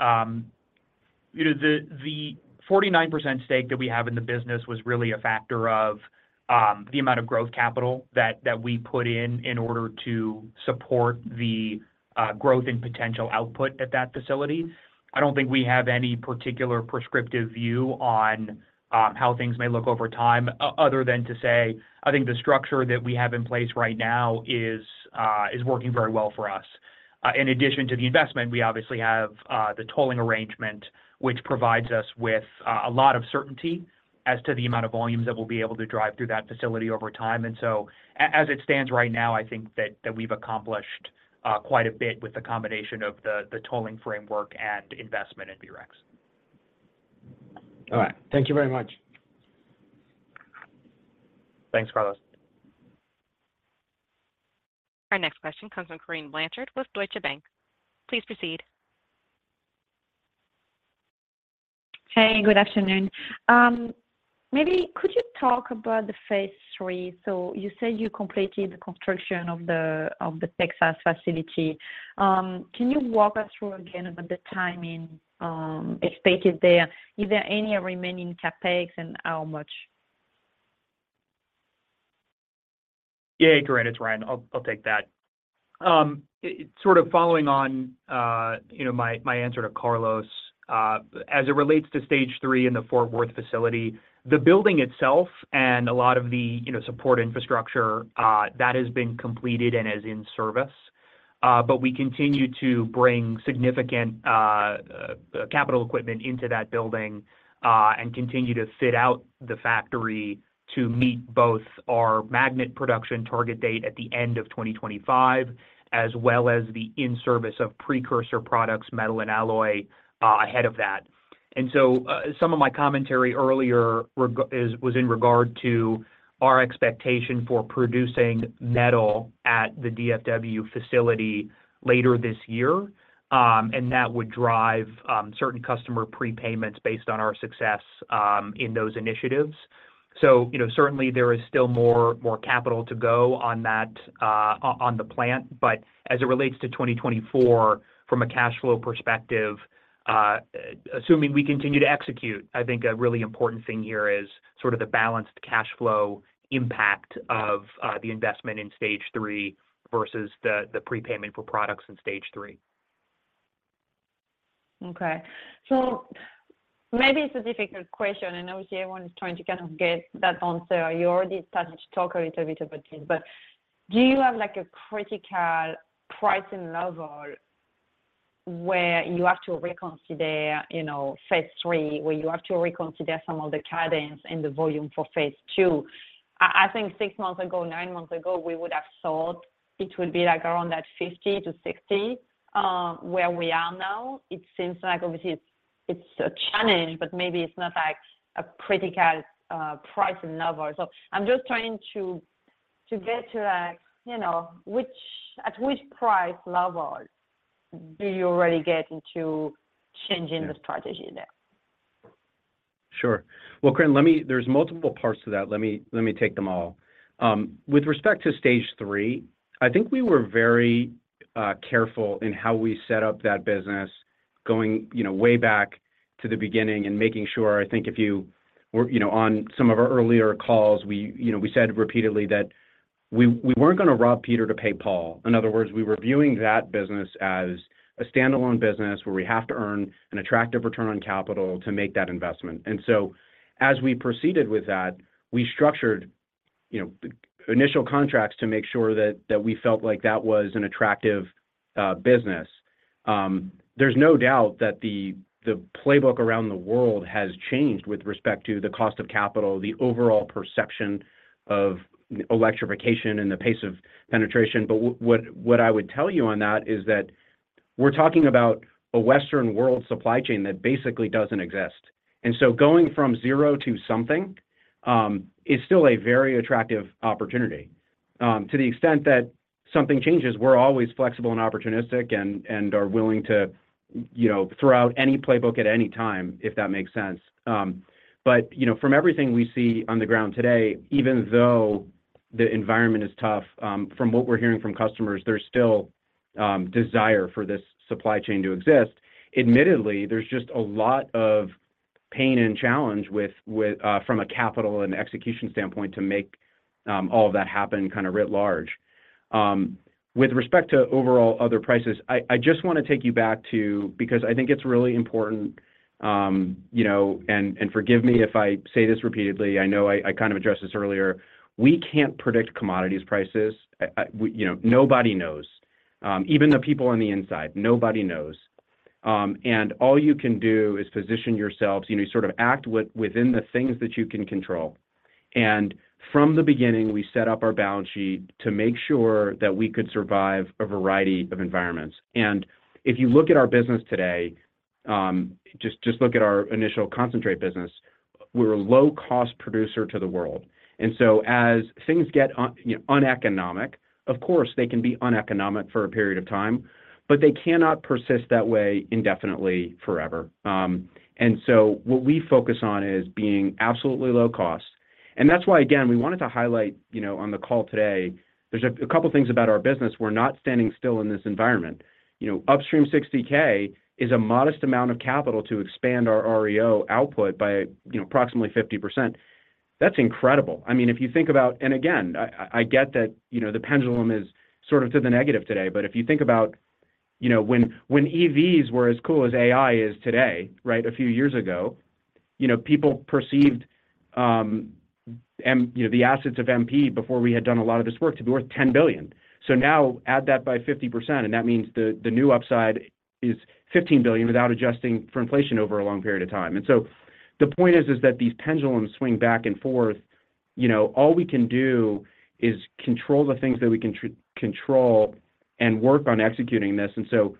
The 49% stake that we have in the business was really a factor of the amount of growth capital that we put in in order to support the growth and potential output at that facility. I don't think we have any particular prescriptive view on how things may look over time other than to say, I think the structure that we have in place right now is working very well for us. In addition to the investment, we obviously have the tolling arrangement, which provides us with a lot of certainty as to the amount of volumes that we'll be able to drive through that facility over time. And so as it stands right now, I think that we've accomplished quite a bit with the combination of the tolling framework and investment in VREX. All right. Thank you very much. Thanks, Carlos. Our next question comes from Corinne Blanchard with Deutsche Bank. Please proceed. Hey, good afternoon. Maybe could you talk about the phase III? So you said you completed the construction of the Texas facility. Can you walk us through again about the timing expected there? Is there any remaining CapEx and how much? Yeah, great. It's Ryan. I'll take that. Sort of following on my answer to Carlos, as it relates to III three in the Fort Worth facility, the building itself and a lot of the support infrastructure, that has been completed and is in service. But we continue to bring significant capital equipment into that building and continue to fit out the factory to meet both our magnet production target date at the end of 2025, as well as the in-service of precursor products, metal and alloy, ahead of that. And so some of my commentary earlier was in regard to our expectation for producing metal at the DFW facility later this year, and that would drive certain customer prepayments based on our success in those initiatives. So certainly, there is still more capital to go on the plant. As it relates to 2024 from a cash flow perspective, assuming we continue to execute, I think a really important thing here is sort of the balanced cash flow impact of the investment in stage III versus the prepayment for products in stage III. Okay. So maybe it's a difficult question. I know everyone is trying to kind of get that answer. You already started to talk a little bit about this, but do you have a critical pricing level where you have to reconsider phase III, where you have to reconsider some of the cadence and the volume for phase II? I think six months ago, nine months ago, we would have thought it would be around that 50-60. Where we are now, it seems like obviously, it's a challenge, but maybe it's not a critical pricing level. So I'm just trying to get to at which price level do you already get into changing the strategy there? Sure. Well, Corinne, there's multiple parts to that. Let me take them all. With respect to stage III, I think we were very careful in how we set up that business going way back to the beginning and making sure I think if you were on some of our earlier calls, we said repeatedly that we weren't going to rob Peter to pay Paul. In other words, we were viewing that business as a standalone business where we have to earn an attractive return on capital to make that investment. And so as we proceeded with that, we structured initial contracts to make sure that we felt like that was an attractive business. There's no doubt that the playbook around the world has changed with respect to the cost of capital, the overall perception of electrification and the pace of penetration. But what I would tell you on that is that we're talking about a Western world supply chain that basically doesn't exist. And so going from zero to something is still a very attractive opportunity. To the extent that something changes, we're always flexible and opportunistic and are willing to throw out any playbook at any time, if that makes sense. But from everything we see on the ground today, even though the environment is tough, from what we're hearing from customers, there's still desire for this supply chain to exist. Admittedly, there's just a lot of pain and challenge from a capital and execution standpoint to make all of that happen kind of writ large. With respect to overall other prices, I just want to take you back to because I think it's really important. And forgive me if I say this repeatedly. I know I kind of addressed this earlier. We can't predict commodities prices. Nobody knows. Even the people on the inside, nobody knows. All you can do is position yourselves. You sort of act within the things that you can control. From the beginning, we set up our balance sheet to make sure that we could survive a variety of environments. If you look at our business today, just look at our initial concentrate business, we're a low-cost producer to the world. As things get uneconomic, of course, they can be uneconomic for a period of time, but they cannot persist that way indefinitely forever. What we focus on is being absolutely low-cost. That's why, again, we wanted to highlight on the call today, there's a couple of things about our business. We're not standing still in this environment. Upstream 60K is a modest amount of capital to expand our REO output by approximately 50%. That's incredible. I mean, if you think about and again, I get that the pendulum is sort of to the negative today. But if you think about when EVs were as cool as AI is today, right, a few years ago, people perceived the assets of MP before we had done a lot of this work to be worth $10 billion. So now add that by 50%, and that means the new upside is $15 billion without adjusting for inflation over a long period of time. And so the point is that these pendulums swing back and forth. All we can do is control the things that we can control and work on executing this. And so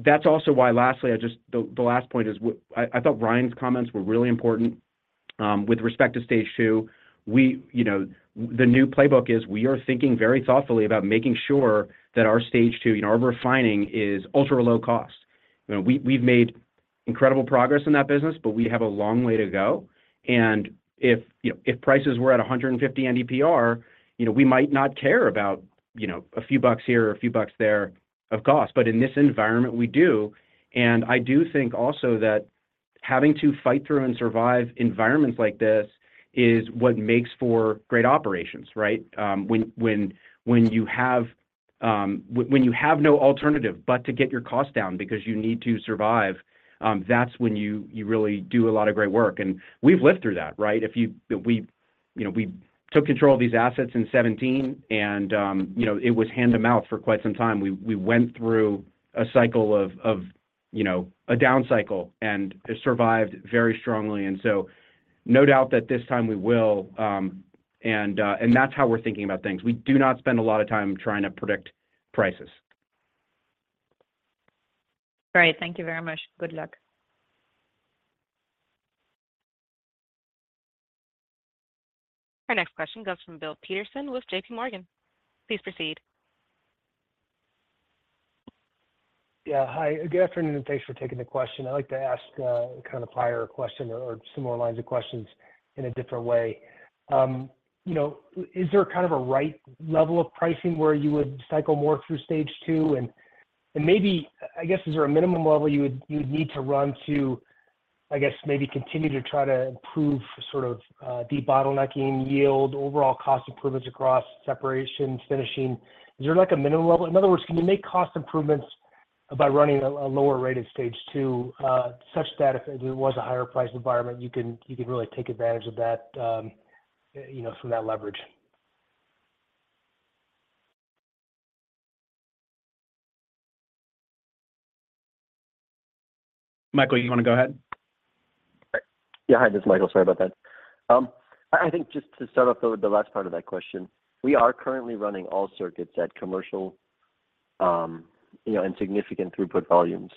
that's also why lastly, the last point is I thought Ryan's comments were really important with respect to stage II. The new playbook is we are thinking very thoughtfully about making sure that our stage II, our refining is ultra-low cost. We've made incredible progress in that business, but we have a long way to go. And if prices were at $150 NdPr, we might not care about a few bucks here, a few bucks there of cost. But in this environment, we do. And I do think also that having to fight through and survive environments like this is what makes for great operations, right? When you have no alternative but to get your cost down because you need to survive, that's when you really do a lot of great work. And we've lived through that, right? We took control of these assets in 2017, and it was hand-to-mouth for quite some time. We went through a cycle of a downcycle and survived very strongly. And so no doubt that this time, we will. And that's how we're thinking about things. We do not spend a lot of time trying to predict prices. Great. Thank you very much. Good luck. Our next question goes from Bill Peterson with JPMorgan. Please proceed. Yeah. Hi. Good afternoon, and thanks for taking the question. I'd like to ask kind of a prior question or similar lines of questions in a different way. Is there kind of a right level of pricing where you would cycle more through stage II? And maybe, I guess, is there a minimum level you would need to run to, I guess, maybe continue to try to improve sort of debottlenecking, yield, overall cost improvements across separation, finishing? Is there a minimum level? In other words, can you make cost improvements by running a lower rate at stage II such that if it was a higher-priced environment, you could really take advantage of that from that leverage? Michael, you want to go ahead? Yeah. Hi. This is Michael. Sorry about that. I think just to start off the last part of that question, we are currently running all circuits at commercial and significant throughput volumes.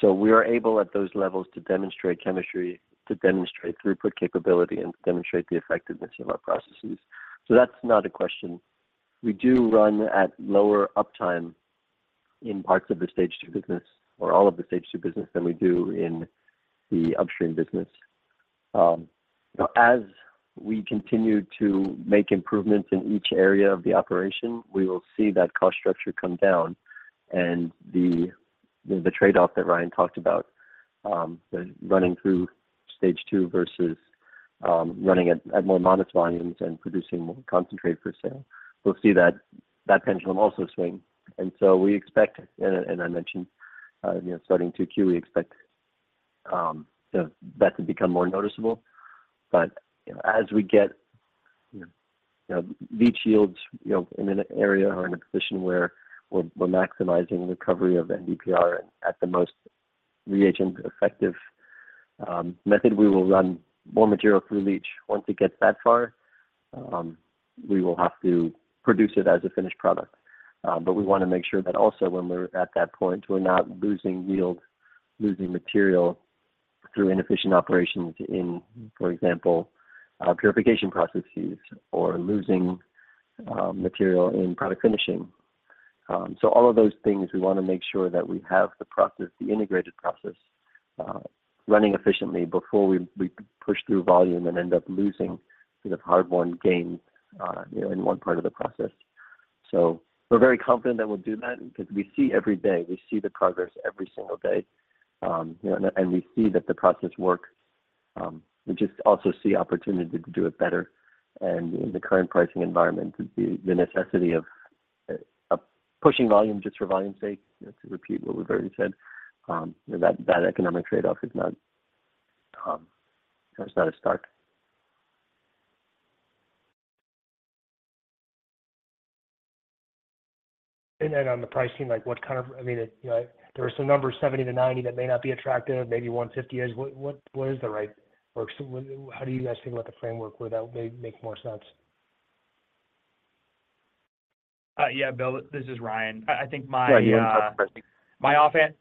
So we are able at those levels to demonstrate chemistry, to demonstrate throughput capability, and to demonstrate the effectiveness of our processes. So that's not a question. We do run at lower uptime in parts of the stage II business or all of the stage II business than we do in the upstream business. As we continue to make improvements in each area of the operation, we will see that cost structure come down and the trade-off that Ryan talked about, running through stage II versus running at more modest volumes and producing more concentrate for sale, we'll see that pendulum also swing. And so we expect, and I mentioned starting 2Q, we expect that to become more noticeable. But as we get leach yields in an area or in a position where we're maximizing recovery of NdPr and at the most reagent-effective method, we will run more material through leach. Once it gets that far, we will have to produce it as a finished product. But we want to make sure that also when we're at that point, we're not losing yield, losing material through inefficient operations in, for example, purification processes or losing material in product finishing. So all of those things, we want to make sure that we have the integrated process running efficiently before we push through volume and end up losing sort of hard-won gains in one part of the process. So we're very confident that we'll do that because we see every day. We see the progress every single day. We see that the process works. We just also see opportunity to do it better. In the current pricing environment, the necessity of pushing volume just for volume's sake, to repeat what we've already said, that economic trade-off is not a start. And then on the pricing, what kind of—I mean, there are some numbers, 70-90, that may not be attractive. Maybe 150 is. What is the right or how do you guys think about the framework where that may make more sense? Yeah, Bill. This is Ryan. I think my. Yeah, you want to talk to pricing. My offhand,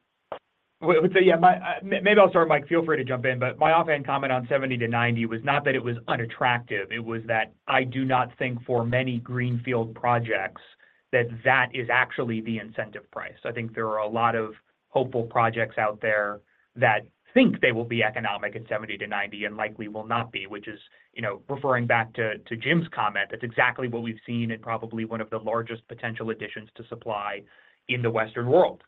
yeah, maybe I'll start. Mike, feel free to jump in. But my offhand comment on $70-$90 was not that it was unattractive. It was that I do not think for many greenfield projects that that is actually the incentive price. I think there are a lot of hopeful projects out there that think they will be economic at $70-$90 and likely will not be, which is referring back to Jim's comment. That's exactly what we've seen in probably one of the largest potential additions to supply in the Western world.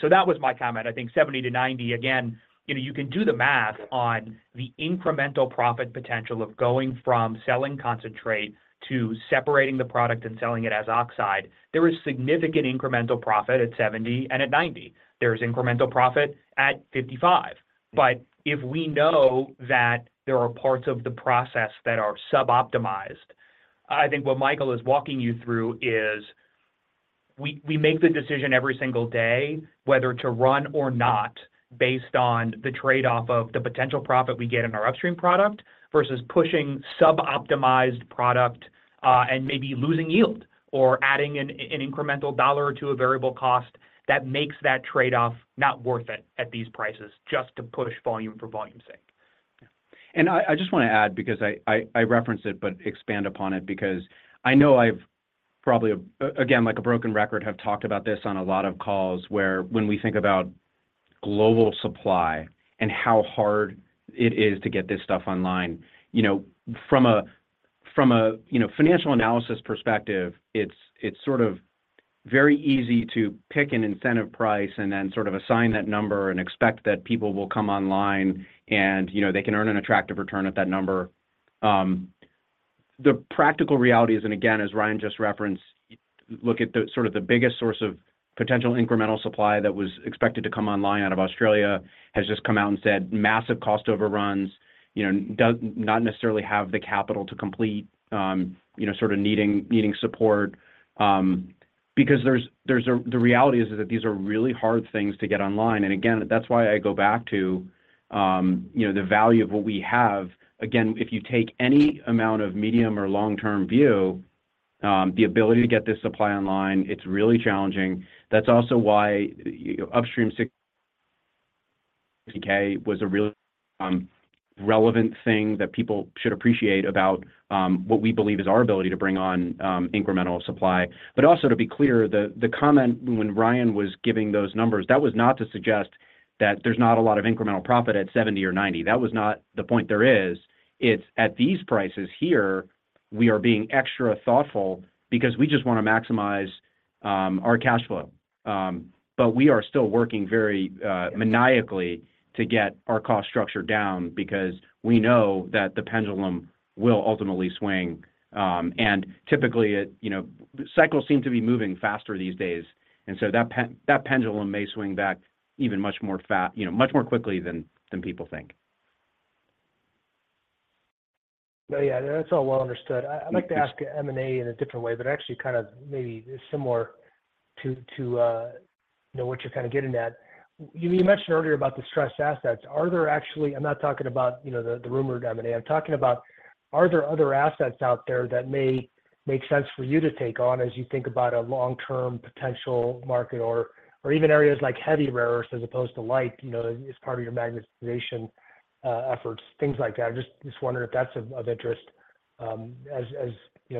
So that was my comment. I think $70-$90, again, you can do the math on the incremental profit potential of going from selling concentrate to separating the product and selling it as oxide. There is significant incremental profit at $70 and at $90. There is incremental profit at $55. But if we know that there are parts of the process that are suboptimized, I think what Michael is walking you through is we make the decision every single day whether to run or not based on the trade-off of the potential profit we get in our upstream product versus pushing suboptimized product and maybe losing yield or adding an incremental dollar to a variable cost that makes that trade-off not worth it at these prices just to push volume for volume's sake. I just want to add because I referenced it, but expand upon it because I know I've probably, again, like a broken record, have talked about this on a lot of calls where when we think about global supply and how hard it is to get this stuff online, from a financial analysis perspective, it's sort of very easy to pick an incentive price and then sort of assign that number and expect that people will come online and they can earn an attractive return at that number. The practical reality is, and again, as Ryan just referenced, look at sort of the biggest source of potential incremental supply that was expected to come online out of Australia has just come out and said massive cost overruns, not necessarily have the capital to complete, sort of needing support. Because the reality is that these are really hard things to get online. Again, that's why I go back to the value of what we have. Again, if you take any amount of medium- or long-term view, the ability to get this supply online, it's really challenging. That's also why Upstream 60K was a really relevant thing that people should appreciate about what we believe is our ability to bring on incremental supply. But also to be clear, the comment when Ryan was giving those numbers, that was not to suggest that there's not a lot of incremental profit at $70 or $90. That was not the point. There is. It's at these prices here, we are being extra thoughtful because we just want to maximize our cash flow. We are still working very maniacally to get our cost structure down because we know that the pendulum will ultimately swing. Typically, cycles seem to be moving faster these days. That pendulum may swing back even much more quickly than people think. No, yeah, that's all well understood. I'd like to ask M&A in a different way, but actually kind of maybe similar to what you're kind of getting at. You mentioned earlier about the SEG assets. Are there actually? I'm not talking about the rumored M&A. I'm talking about, are there other assets out there that may make sense for you to take on as you think about a long-term potential market or even areas like heavy rare earths as opposed to light as part of your magnetics efforts, things like that? I just wonder if that's of interest as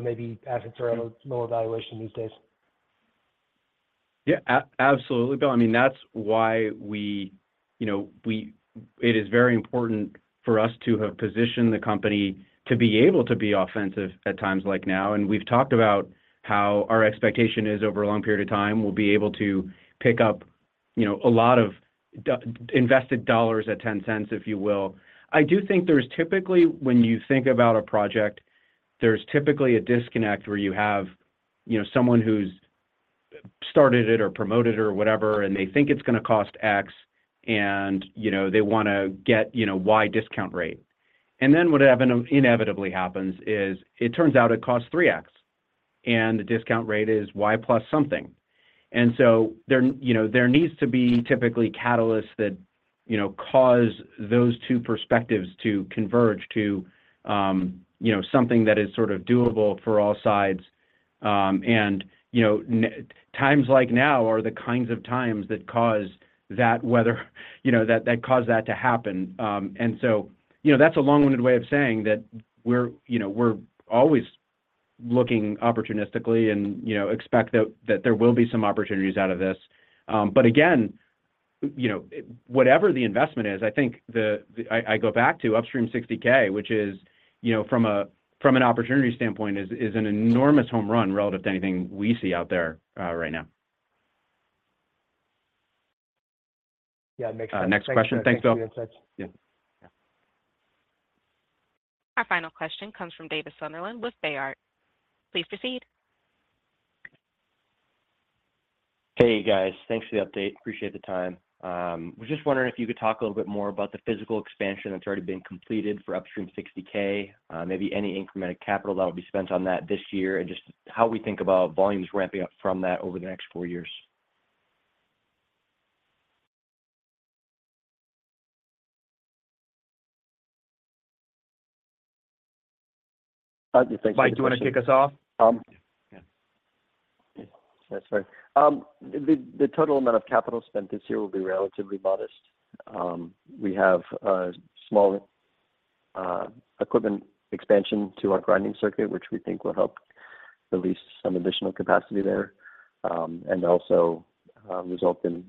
maybe assets are at a lower valuation these days. Yeah, absolutely, Bill. I mean, that's why it is very important for us to have positioned the company to be able to be offensive at times like now. And we've talked about how our expectation is over a long period of time, we'll be able to pick up a lot of invested dollars at $0.10, if you will. I do think there's typically when you think about a project, there's typically a disconnect where you have someone who's started it or promoted it or whatever, and they think it's going to cost X, and they want to get Y discount rate. And then what inevitably happens is it turns out it costs 3x, and the discount rate is Y plus something. And so there needs to be typically catalysts that cause those two perspectives to converge to something that is sort of doable for all sides. Times like now are the kinds of times that cause that whether that caused that to happen. So that's a long-winded way of saying that we're always looking opportunistically and expect that there will be some opportunities out of this. But again, whatever the investment is, I think I go back to Upstream 60K, which is from an opportunity standpoint, is an enormous home run relative to anything we see out there right now. Yeah, it makes sense. Next question. Thanks, Bill. Our final question comes from Davis Sunderland with Baird. Please proceed. Hey, guys. Thanks for the update. Appreciate the time. We're just wondering if you could talk a little bit more about the physical expansion that's already been completed for Upstream 60K, maybe any incremented capital that will be spent on that this year, and just how we think about volumes ramping up from that over the next four years. Mike, do you want to kick us off? That's fine. The total amount of capital spent this year will be relatively modest. We have small equipment expansion to our grinding circuit, which we think will help release some additional capacity there and also result in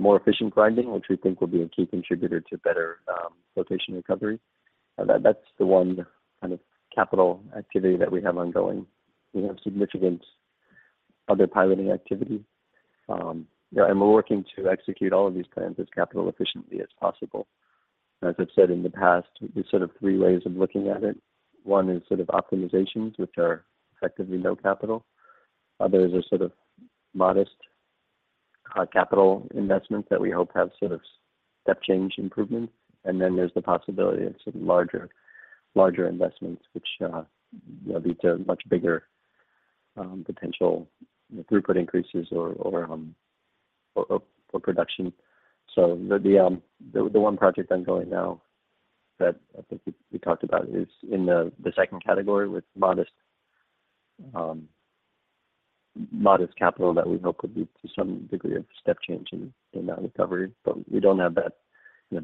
more efficient grinding, which we think will be a key contributor to better REO recovery. That's the one kind of capital activity that we have ongoing. We have significant other piloting activity. We're working to execute all of these plans as capital-efficiently as possible. As I've said in the past, there's sort of three ways of looking at it. One is sort of optimizations, which are effectively no capital. Others are sort of modest capital investments that we hope have sort of step change improvements. And then there's the possibility of some larger investments, which lead to much bigger potential throughput increases or production. The one project ongoing now that I think we talked about is in the second category with modest capital that we hope would lead to some degree of step change in that recovery. We don't have that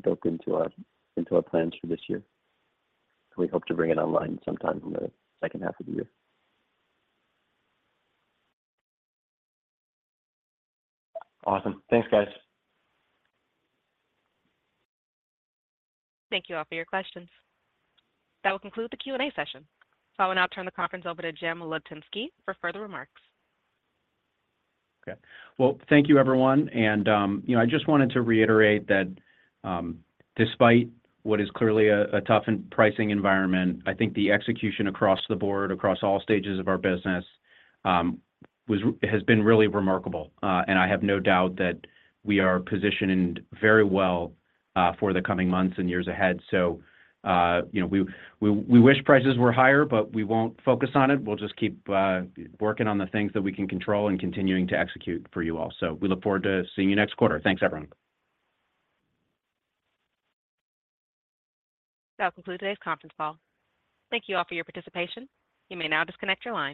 built into our plans for this year. We hope to bring it online sometime in the second half of the year. Awesome. Thanks, guys. Thank you all for your questions. That will conclude the Q&A session. So I will now turn the conference over to Jim Litinsky for further remarks. Okay. Well, thank you, everyone. I just wanted to reiterate that despite what is clearly a tough pricing environment, I think the execution across the board, across all stages of our business, has been really remarkable. I have no doubt that we are positioned very well for the coming months and years ahead. We wish prices were higher, but we won't focus on it. We'll just keep working on the things that we can control and continuing to execute for you all. We look forward to seeing you next quarter. Thanks, everyone. That will conclude today's conference call. Thank you all for your participation. You may now disconnect your line.